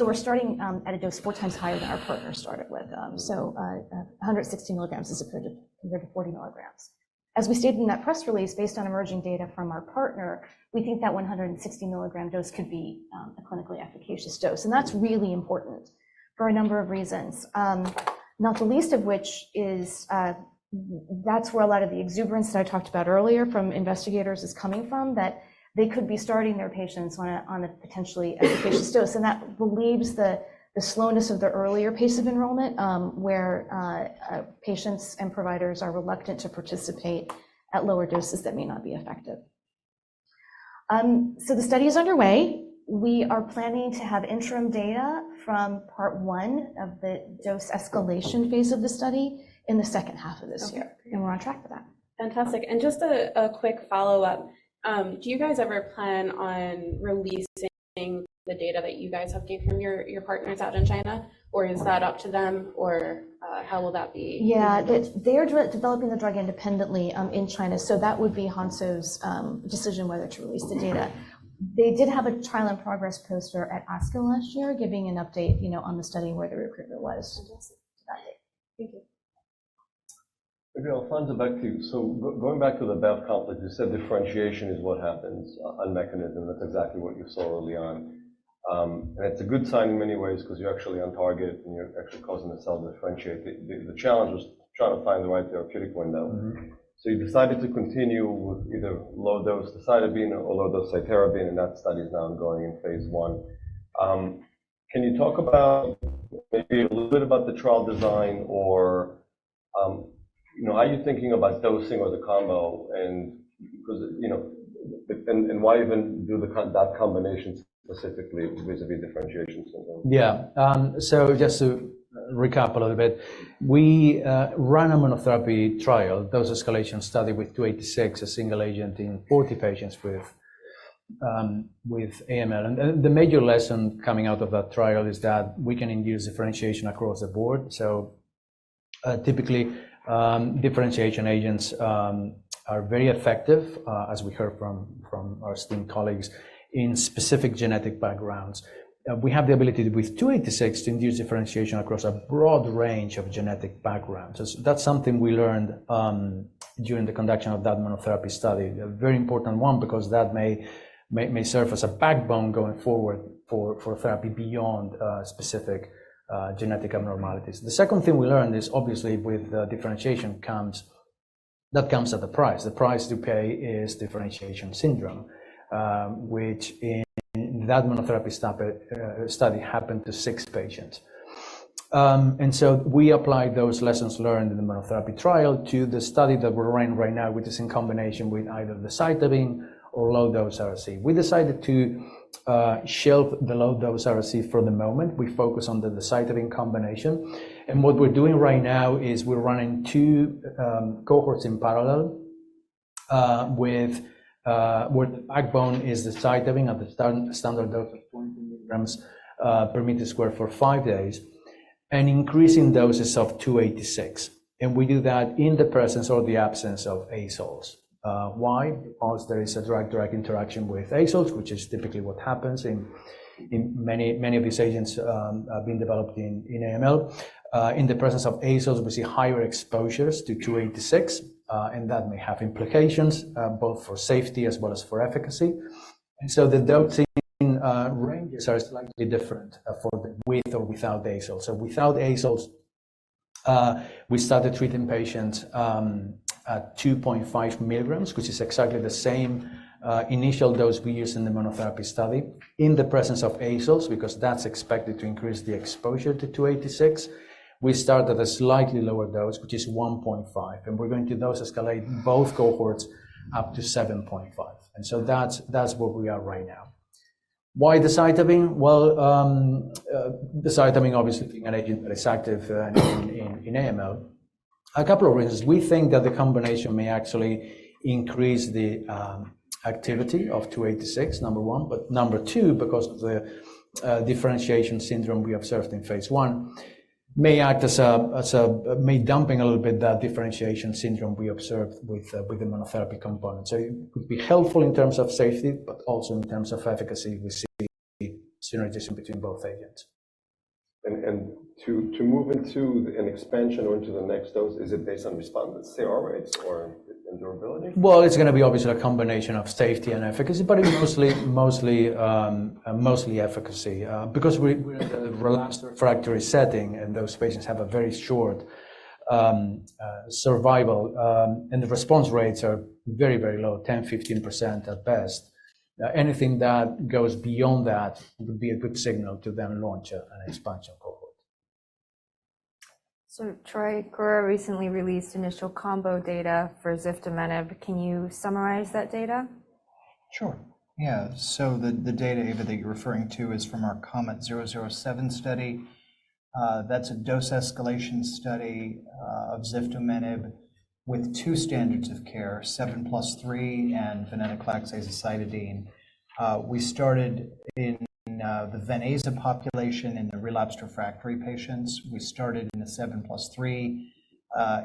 S3: We're starting at a dose four times higher than our partner started with. 160 milligrams compared to 40 milligrams. As we stated in that press release, based on emerging data from our partner, we think that 160 milligram dose could be a clinically efficacious dose. That's really important for a number of reasons, not the least of which is that's where a lot of the exuberance that I talked about earlier from investigators is coming from, that they could be starting their patients on a potentially efficacious dose. That relieves the slowness of the earlier pace of enrollment, where patients and providers are reluctant to participate at lower doses that may not be effective. The study is underway. We are planning to have interim data from part one of the dose escalation phase of the study in the second half of this year. We're on track for that.
S7: Fantastic. Just a quick follow-up, do you guys ever plan on releasing the data that you guys have gained from your partners out in China, or is that up to them, or how will that be?
S3: Yeah, they're developing the drug independently in China. So that would be Hansoh's decision whether to release the data. They did have a trial-in-progress poster at ASCO last year giving an update on the study and where the recruitment was to that date.
S1: Thank you. Alfonso back to you. So going back to the BAF complex, you said differentiation is what happens on mechanism. That's exactly what you saw early on. And it's a good sign in many ways because you're actually on target, and you're actually causing the cell to differentiate. The challenge was trying to find the right therapeutic window. So you decided to continue with either low-dose cytarabine or low-dose cytarabine, and that study is now ongoing in phase I. Can you talk maybe a little bit about the trial design or how you're thinking about dosing or the combo and why even do that combination specifically vis-à-vis differentiation syndrome?
S4: Yeah. So just to recap a little bit, we run a monotherapy trial, dose escalation study with 286, a single agent in 40 patients with AML. The major lesson coming out of that trial is that we can induce differentiation across the board. So typically, differentiation agents are very effective, as we heard from our esteemed colleagues, in specific genetic backgrounds. We have the ability with 286 to induce differentiation across a broad range of genetic backgrounds. That's something we learned during the conduction of that monotherapy study, a very important one because that may serve as a backbone going forward for therapy beyond specific genetic abnormalities. The second thing we learned is, obviously, with differentiation, that comes at a price. The price to pay is differentiation syndrome, which in that monotherapy study happened to 6 patients. We applied those lessons learned in the monotherapy trial to the study that we're running right now, which is in combination with either cytarabine or low-dose Ara-C. We decided to shelve the low-dose Ara-C for the moment. We focus on the cytarabine combination. And what we're doing right now is we're running two cohorts in parallel where the backbone is cytarabine at the standard dose of 20 mg/m² for five days and increasing doses of 286. And we do that in the presence or the absence of azoles. Why? Because there is a drug-drug interaction with azoles, which is typically what happens in many of these agents being developed in AML. In the presence of azoles, we see higher exposures to 286, and that may have implications both for safety as well as for efficacy. So the dosing ranges are slightly different for the with or without azoles. So without azoles, we started treating patients at 2.5 milligrams, which is exactly the same initial dose we used in the monotherapy study. In the presence of azoles, because that's expected to increase the exposure to 286, we started at a slightly lower dose, which is 1.5. And we're going to dose escalate both cohorts up to 7.5. And so that's where we are right now. Why the cytarabine? Well, the cytarabine, obviously, being an agent that is active in AML, a couple of reasons. We think that the combination may actually increase the activity of 286, number one. But number two, because of the differentiation syndrome we observed in phase I, may act as a way dampening a little bit that differentiation syndrome we observed with the monotherapy component. It could be helpful in terms of safety, but also in terms of efficacy with synergism between both agents.
S1: To move into an expansion or into the next dose, is it based on responders, CR rates, or durability?
S4: Well, it's going to be, obviously, a combination of safety and efficacy, but mostly efficacy because we're in a relapse refractory setting, and those patients have a very short survival. The response rates are very, very low, 10%-15% at best. Anything that goes beyond that would be a good signal to then launch an expansion cohort.
S7: Troy Wilson recently released initial combo data for ziftomenib. Can you summarize that data?
S2: Sure. Yeah. So the data, Ava, that you're referring to is from our COMET 007 study. That's a dose escalation study of ziftomenib with two standards of care, 7+3 and venetoclax-azacitidine. We started in the venetoclax population in the relapse refractory patients. We started in the 7+3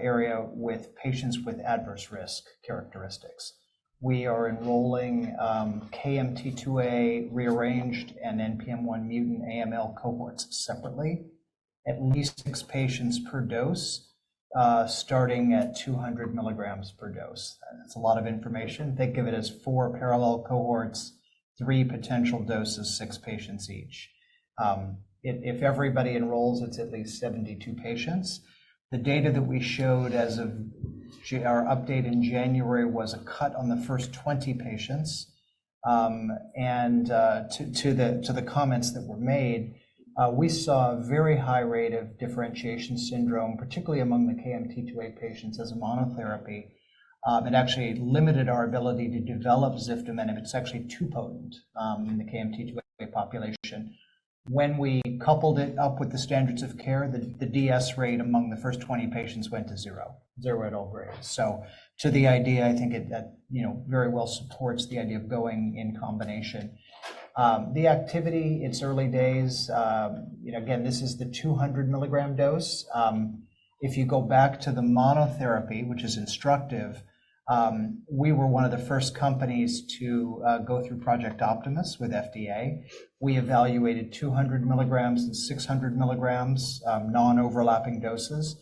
S2: area with patients with adverse risk characteristics. We are enrolling KMT2A rearranged and NPM1 mutant AML cohorts separately, at least 6 patients per dose starting at 200 milligrams per dose. That's a lot of information. They give it as four parallel cohorts, three potential doses, 6 patients each. If everybody enrolls, it's at least 72 patients. The data that we showed as of our update in January was a cut on the first 20 patients. And to the comments that were made, we saw a very high rate of differentiation syndrome, particularly among the KMT2A patients, as a monotherapy. It actually limited our ability to develop ziftomenib. It's actually too potent in the KMT2A population. When we coupled it up with the standards of care, the DS rate among the first 20 patients went to zero, zero at all grades. So too, the idea, I think it very well supports the idea of going in combination. The activity, it's early days. Again, this is the 200 milligram dose. If you go back to the monotherapy, which is instructive, we were one of the first companies to go through Project Optimus with FDA. We evaluated 200 milligrams and 600 milligrams, non-overlapping doses.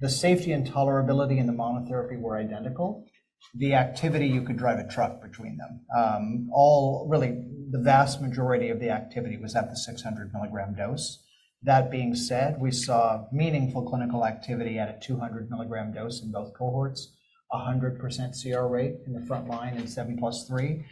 S2: The safety and tolerability in the monotherapy were identical. The activity, you could drive a truck between them. Really, the vast majority of the activity was at the 600 milligram dose. That being said, we saw meaningful clinical activity at a 200 milligram dose in both cohorts, 100% CR rate in the front line and 7+3,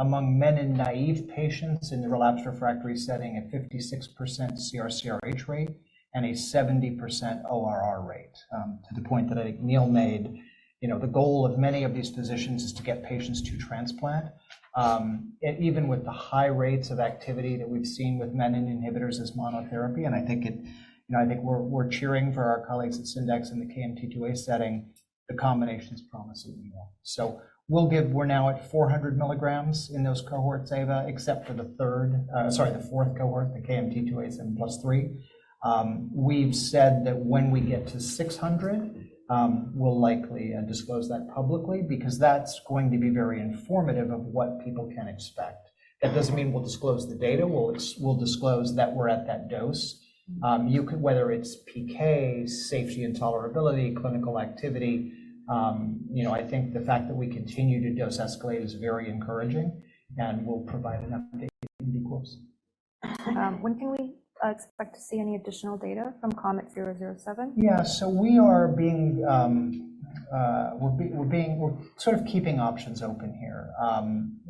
S2: among menin-naïve patients in the relapse refractory setting at 56% CR/CRH rate and a 70% ORR rate, to the point that I think Neil made the goal of many of these physicians is to get patients to transplant. Even with the high rates of activity that we've seen with menin inhibitors as monotherapy and I think we're cheering for our colleagues at Syndax in the KMT2A setting, the combinations promise even more. So we're now at 400 milligrams in those cohorts, Ava, except for the third, the fourth cohort, the KMT2A 7+3. We've said that when we get to 600, we'll likely disclose that publicly because that's going to be very informative of what people can expect. That doesn't mean we'll disclose the data. We'll disclose that we're at that dose, whether it's PK, safety and tolerability, clinical activity. I think the fact that we continue to dose escalate is very encouraging, and we'll provide an update in the course.
S7: When can we expect to see any additional data from COMET 007?
S2: Yeah. So we're sort of keeping options open here.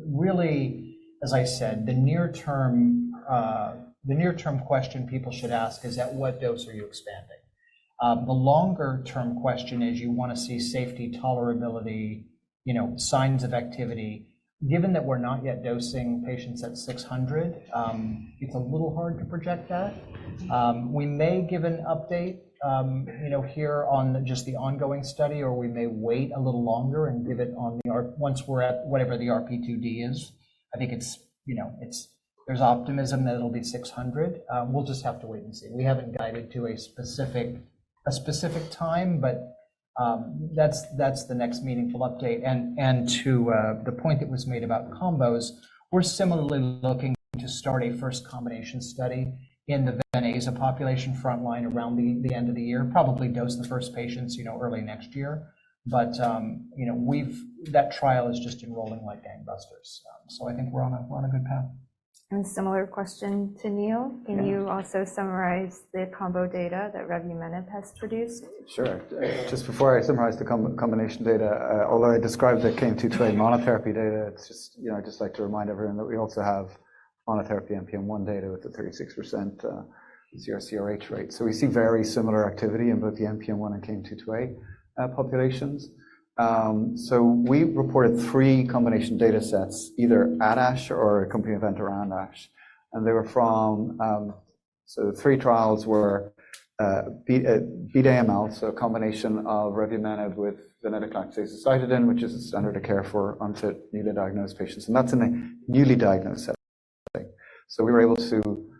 S2: Really, as I said, the near-term question people should ask is, "At what dose are you expanding?" The longer-term question is, "You want to see safety, tolerability, signs of activity." Given that we're not yet dosing patients at 600, it's a little hard to project that. We may give an update here on just the ongoing study, or we may wait a little longer and give it once we're at whatever the RP2D is. I think there's optimism that it'll be 600. We'll just have to wait and see. We haven't guided to a specific time, but that's the next meaningful update. To the point that was made about combos, we're similarly looking to start a first combination study in the venetoclax population frontline around the end of the year, probably dose the first patients early next year. But that trial is just enrolling like gangbusters. So I think we're on a good path.
S7: Similar question to Neil. Can you also summarize the combo data that revumenib has produced?
S6: Sure. Just before I summarize the combination data, although I described the KMT2A monotherapy data, I'd just like to remind everyone that we also have monotherapy NPM1 data with the 36% CR/CRH rate. So we see very similar activity in both the NPM1 and KMT2A populations. So we reported three combination datasets, either ADASH or a combination event around ADASH. And they were from so the three trials were BEAT-AML, so a combination of revumenib with venetoclax azacitidine, which is a standard of care for unfit newly diagnosed patients. And that's in the newly diagnosed setting. So we were able to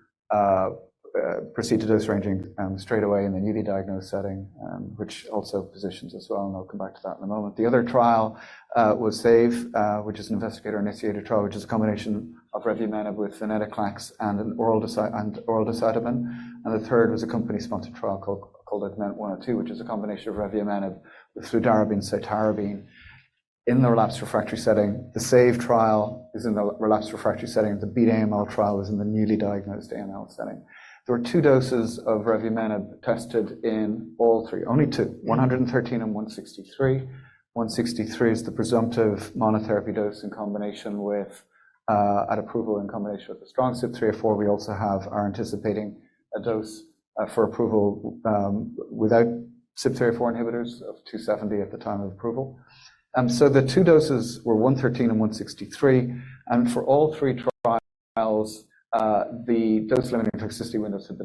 S6: proceed to dose ranging straight away in the newly diagnosed setting, which also positions as well. And I'll come back to that in a moment. The other trial was SAVE, which is an investigator-initiated trial, which is a combination of revumenib with venetoclax and oral decitabine. The third was a company-sponsored trial called AUGMENT-102, which is a combination of revumenib with fludarabine and cytarabine in the relapse refractory setting. The SAVE trial is in the relapse refractory setting. The BEAT-AML trial was in the newly diagnosed AML setting. There were two doses of revumenib tested in all three, only two, 113 and 163. 163 is the presumptive monotherapy dose in combination with at approval in combination with the strong CYP3A4. We're also anticipating a dose for approval without CYP3A4 inhibitors of 270 at the time of approval. So the two doses were 113 and 163. And for all three trials, the dose-limiting toxicity windows had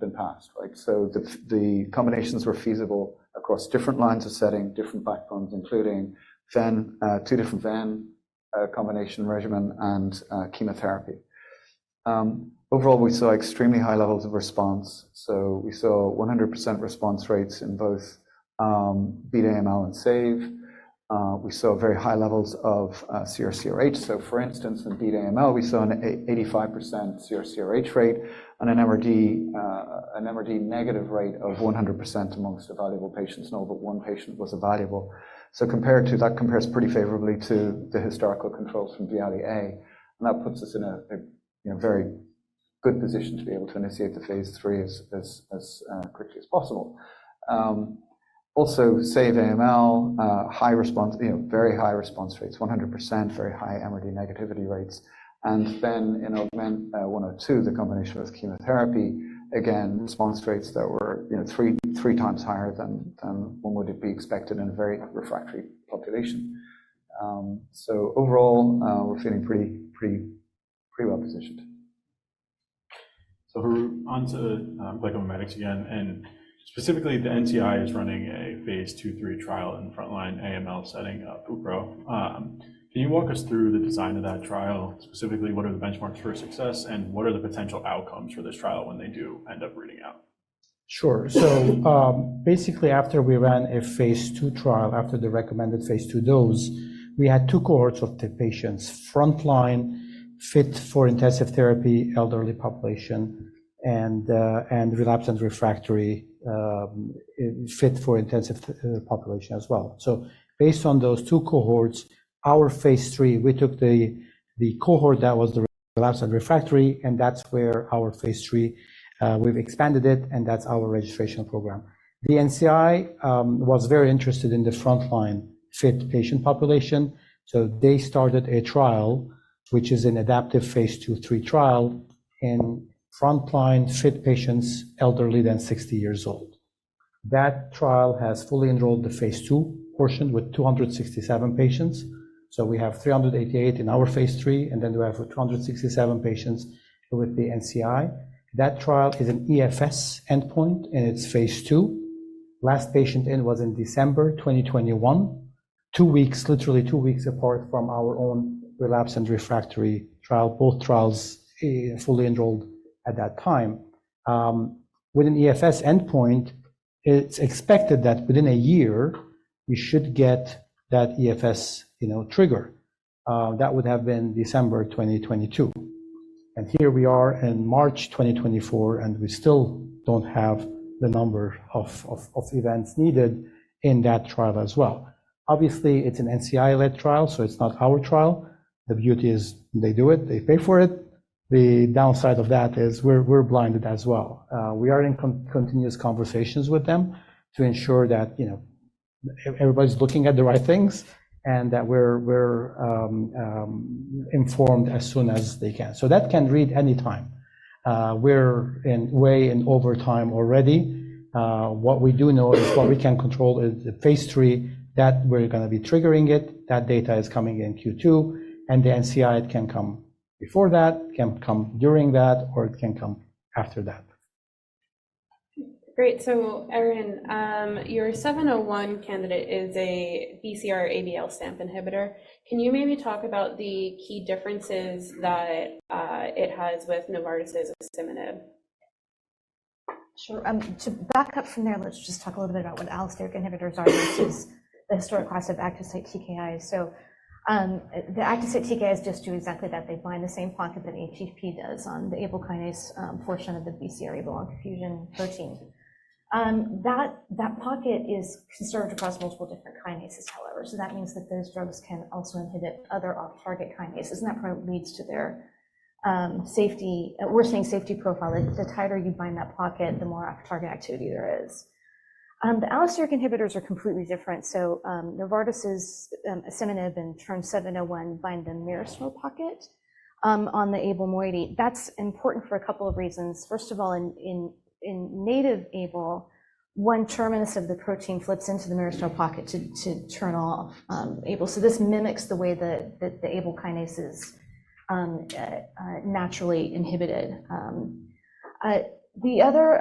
S6: been passed. So the combinations were feasible across different lines of setting, different backbones, including two different VEN combination regimen and chemotherapy. Overall, we saw extremely high levels of response. So we saw 100% response rates in both BEAT-AML and SAVE. We saw very high levels of CR/CRH. So for instance, in BEAT-AML, we saw an 85% CR/CRH rate and an MRD negative rate of 100% among evaluable patients. No, but one patient was evaluable. So that compares pretty favorably to the historical controls from VIALE-A. And that puts us in a very good position to be able to initiate the phase III as quickly as possible. Also, SAVE-AML, very high response rates, 100%, very high MRD negativity rates. And then in AUGMENT102, the combination with chemotherapy, again, response rates that were three times higher than one would be expected in a very refractory population. So overall, we're feeling pretty well positioned.
S1: On to GlycoMimetics again. Specifically, the NCI is running a phase II/3 trial in the frontline AML setting of uproleselan. Can you walk us through the design of that trial? Specifically, what are the benchmarks for success, and what are the potential outcomes for this trial when they do end up reading out?
S5: Sure. So basically, after we ran a phase III trial, after the recommended phase II dose, we had two cohorts of patients, frontline, fit for intensive therapy, elderly population, and relapse and refractory, fit for intensive population as well. So based on those two cohorts, our phase III, we took the cohort that was the relapse and refractory, and that's where our phase III, we've expanded it, and that's our registration program. The NCI was very interested in the frontline, fit patient population. So they started a trial, which is an adaptive phase II, III trial in frontline, fit patients, elderly than 60 years old. That trial has fully enrolled the phase II portion with 267 patients. So we have 388 in our phase III, and then we have 267 patients with the NCI. That trial is an EFS endpoint, and it's phase II. Last patient in was in December 2021, literally two weeks apart from our own relapse and refractory trial, both trials fully enrolled at that time. With an EFS endpoint, it's expected that within a year, we should get that EFS trigger. That would have been December 2022. Here we are in March 2024, and we still don't have the number of events needed in that trial as well. Obviously, it's an NCI-led trial, so it's not our trial. The beauty is they do it. They pay for it. The downside of that is we're blinded as well. We are in continuous conversations with them to ensure that everybody's looking at the right things and that we're informed as soon as they can. So that can read anytime. We're way in overtime already. What we do know is what we can control is the phase III, that we're going to be triggering it. That data is coming in Q2, and the NCI, it can come before that, it can come during that, or it can come after that.
S7: Great. So Erin, your 701 candidate is a BCR-ABL STAMP inhibitor. Can you maybe talk about the key differences that it has with Novartis's asciminib?
S3: Sure. To back up from there, let's just talk a little bit about what allosteric inhibitors are versus the historic class of active site TKIs. So the active site TKIs just do exactly that. They bind the same pocket that ATP does on the kinase portion of the BCR-ABL fusion protein. That pocket is conserved across multiple different kinases, however. So that means that those drugs can also inhibit other off-target kinases, and that probably leads to their safety profile. The tighter you bind that pocket, the more off-target activity there is. The allosteric inhibitors are completely different. So Novartis's asciminib and TRN-701 bind the myristoyl pocket on the ABL moiety. That's important for a couple of reasons. First of all, in native ABL, one terminus of the protein flips into the myristoyl pocket to turn off ABL. So this mimics the way that the ABL kinases naturally inhibited. The other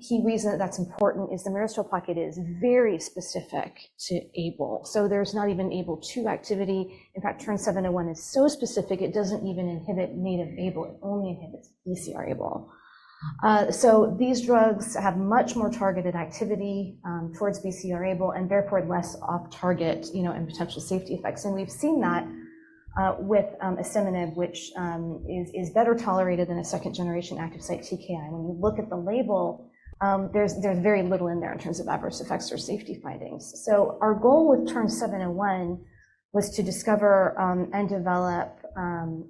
S3: key reason that's important is the myristoyl pocket is very specific to ABL. So there's not even ABL2 activity. In fact, TRN-701 is so specific, it doesn't even inhibit native ABL. It only inhibits BCR-ABL. So these drugs have much more targeted activity towards BCR-ABL and therefore less off-target and potential safety effects. And we've seen that with asciminib, which is better tolerated than a second-generation active site TKI. When you look at the label, there's very little in there in terms of adverse effects or safety findings. So our goal with TRN-701 was to discover and develop an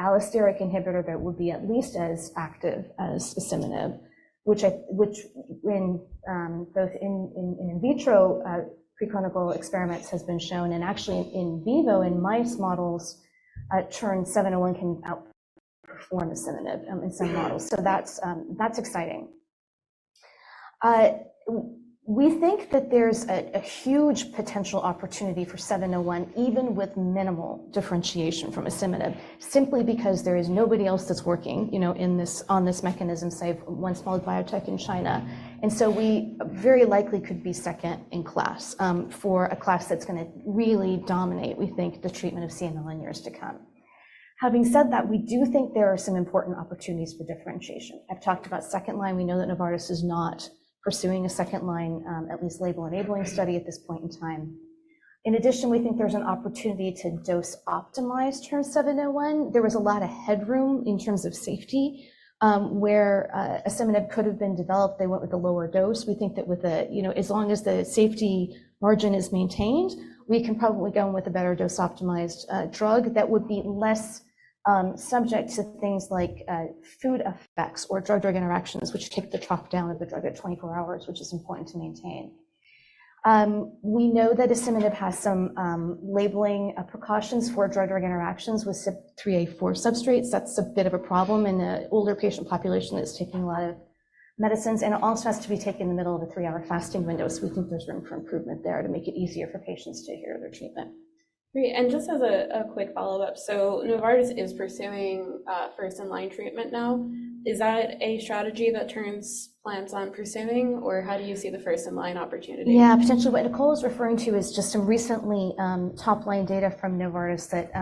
S3: allosteric inhibitor that would be at least as active as asciminib, which in both in vitro preclinical experiments has been shown. And actually, in vivo, in mouse models, TRN-701 can outperform asciminib in some models. So that's exciting. We think that there's a huge potential opportunity for TRN-701 even with minimal differentiation from asciminib, simply because there is nobody else that's working on this mechanism, save one small biotech in China. And so we very likely could be second in class for a class that's going to really dominate, we think, the treatment of CML in years to come. Having said that, we do think there are some important opportunities for differentiation. I've talked about second line. We know that Novartis is not pursuing a second line, at least label-enabling study at this point in time. In addition, we think there's an opportunity to dose-optimize TRN-701. There was a lot of headroom in terms of safety where asciminib could have been developed. They went with a lower dose. We think that as long as the safety margin is maintained, we can probably go with a better dose-optimized drug that would be less subject to things like food effects or drug-drug interactions, which kick the trough down of the drug at 24 hours, which is important to maintain. We know that revumenib has some labeling precautions for drug-drug interactions with CYP3A4 substrates. That's a bit of a problem in the older patient population that's taking a lot of medicines. It also has to be taken in the middle of a 3-hour fasting window. We think there's room for improvement there to make it easier for patients to adhere to their treatment.
S7: Great. And just as a quick follow-up, so Novartis is pursuing first-line treatment now. Is that a strategy that Kura plans on pursuing, or how do you see the first-line opportunity?
S3: Yeah. Potentially, what Nicole is referring to is just some recently top-line data from Novartis that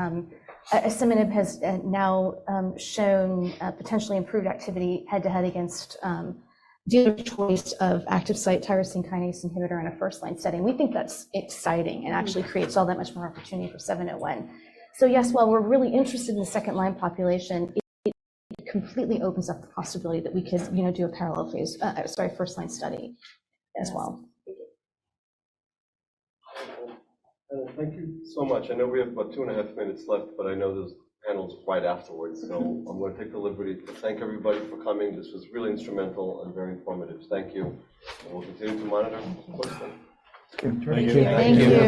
S3: asciminib has now shown potentially improved activity head-to-head against the choice of active-site tyrosine kinase inhibitor in a first-line setting. We think that's exciting and actually creates all that much more opportunity for 701. So yes, while we're really interested in the second-line population, it completely opens up the possibility that we could do a parallel phase sorry, first-line study as well.
S1: Thank you so much. I know we have about 2.5 minutes left, but I know there's panels right afterwards. So I'm going to take the liberty to thank everybody for coming. This was really instrumental and very informative. Thank you. And we'll continue to monitor closely.
S2: Thank you.
S7: Thank you.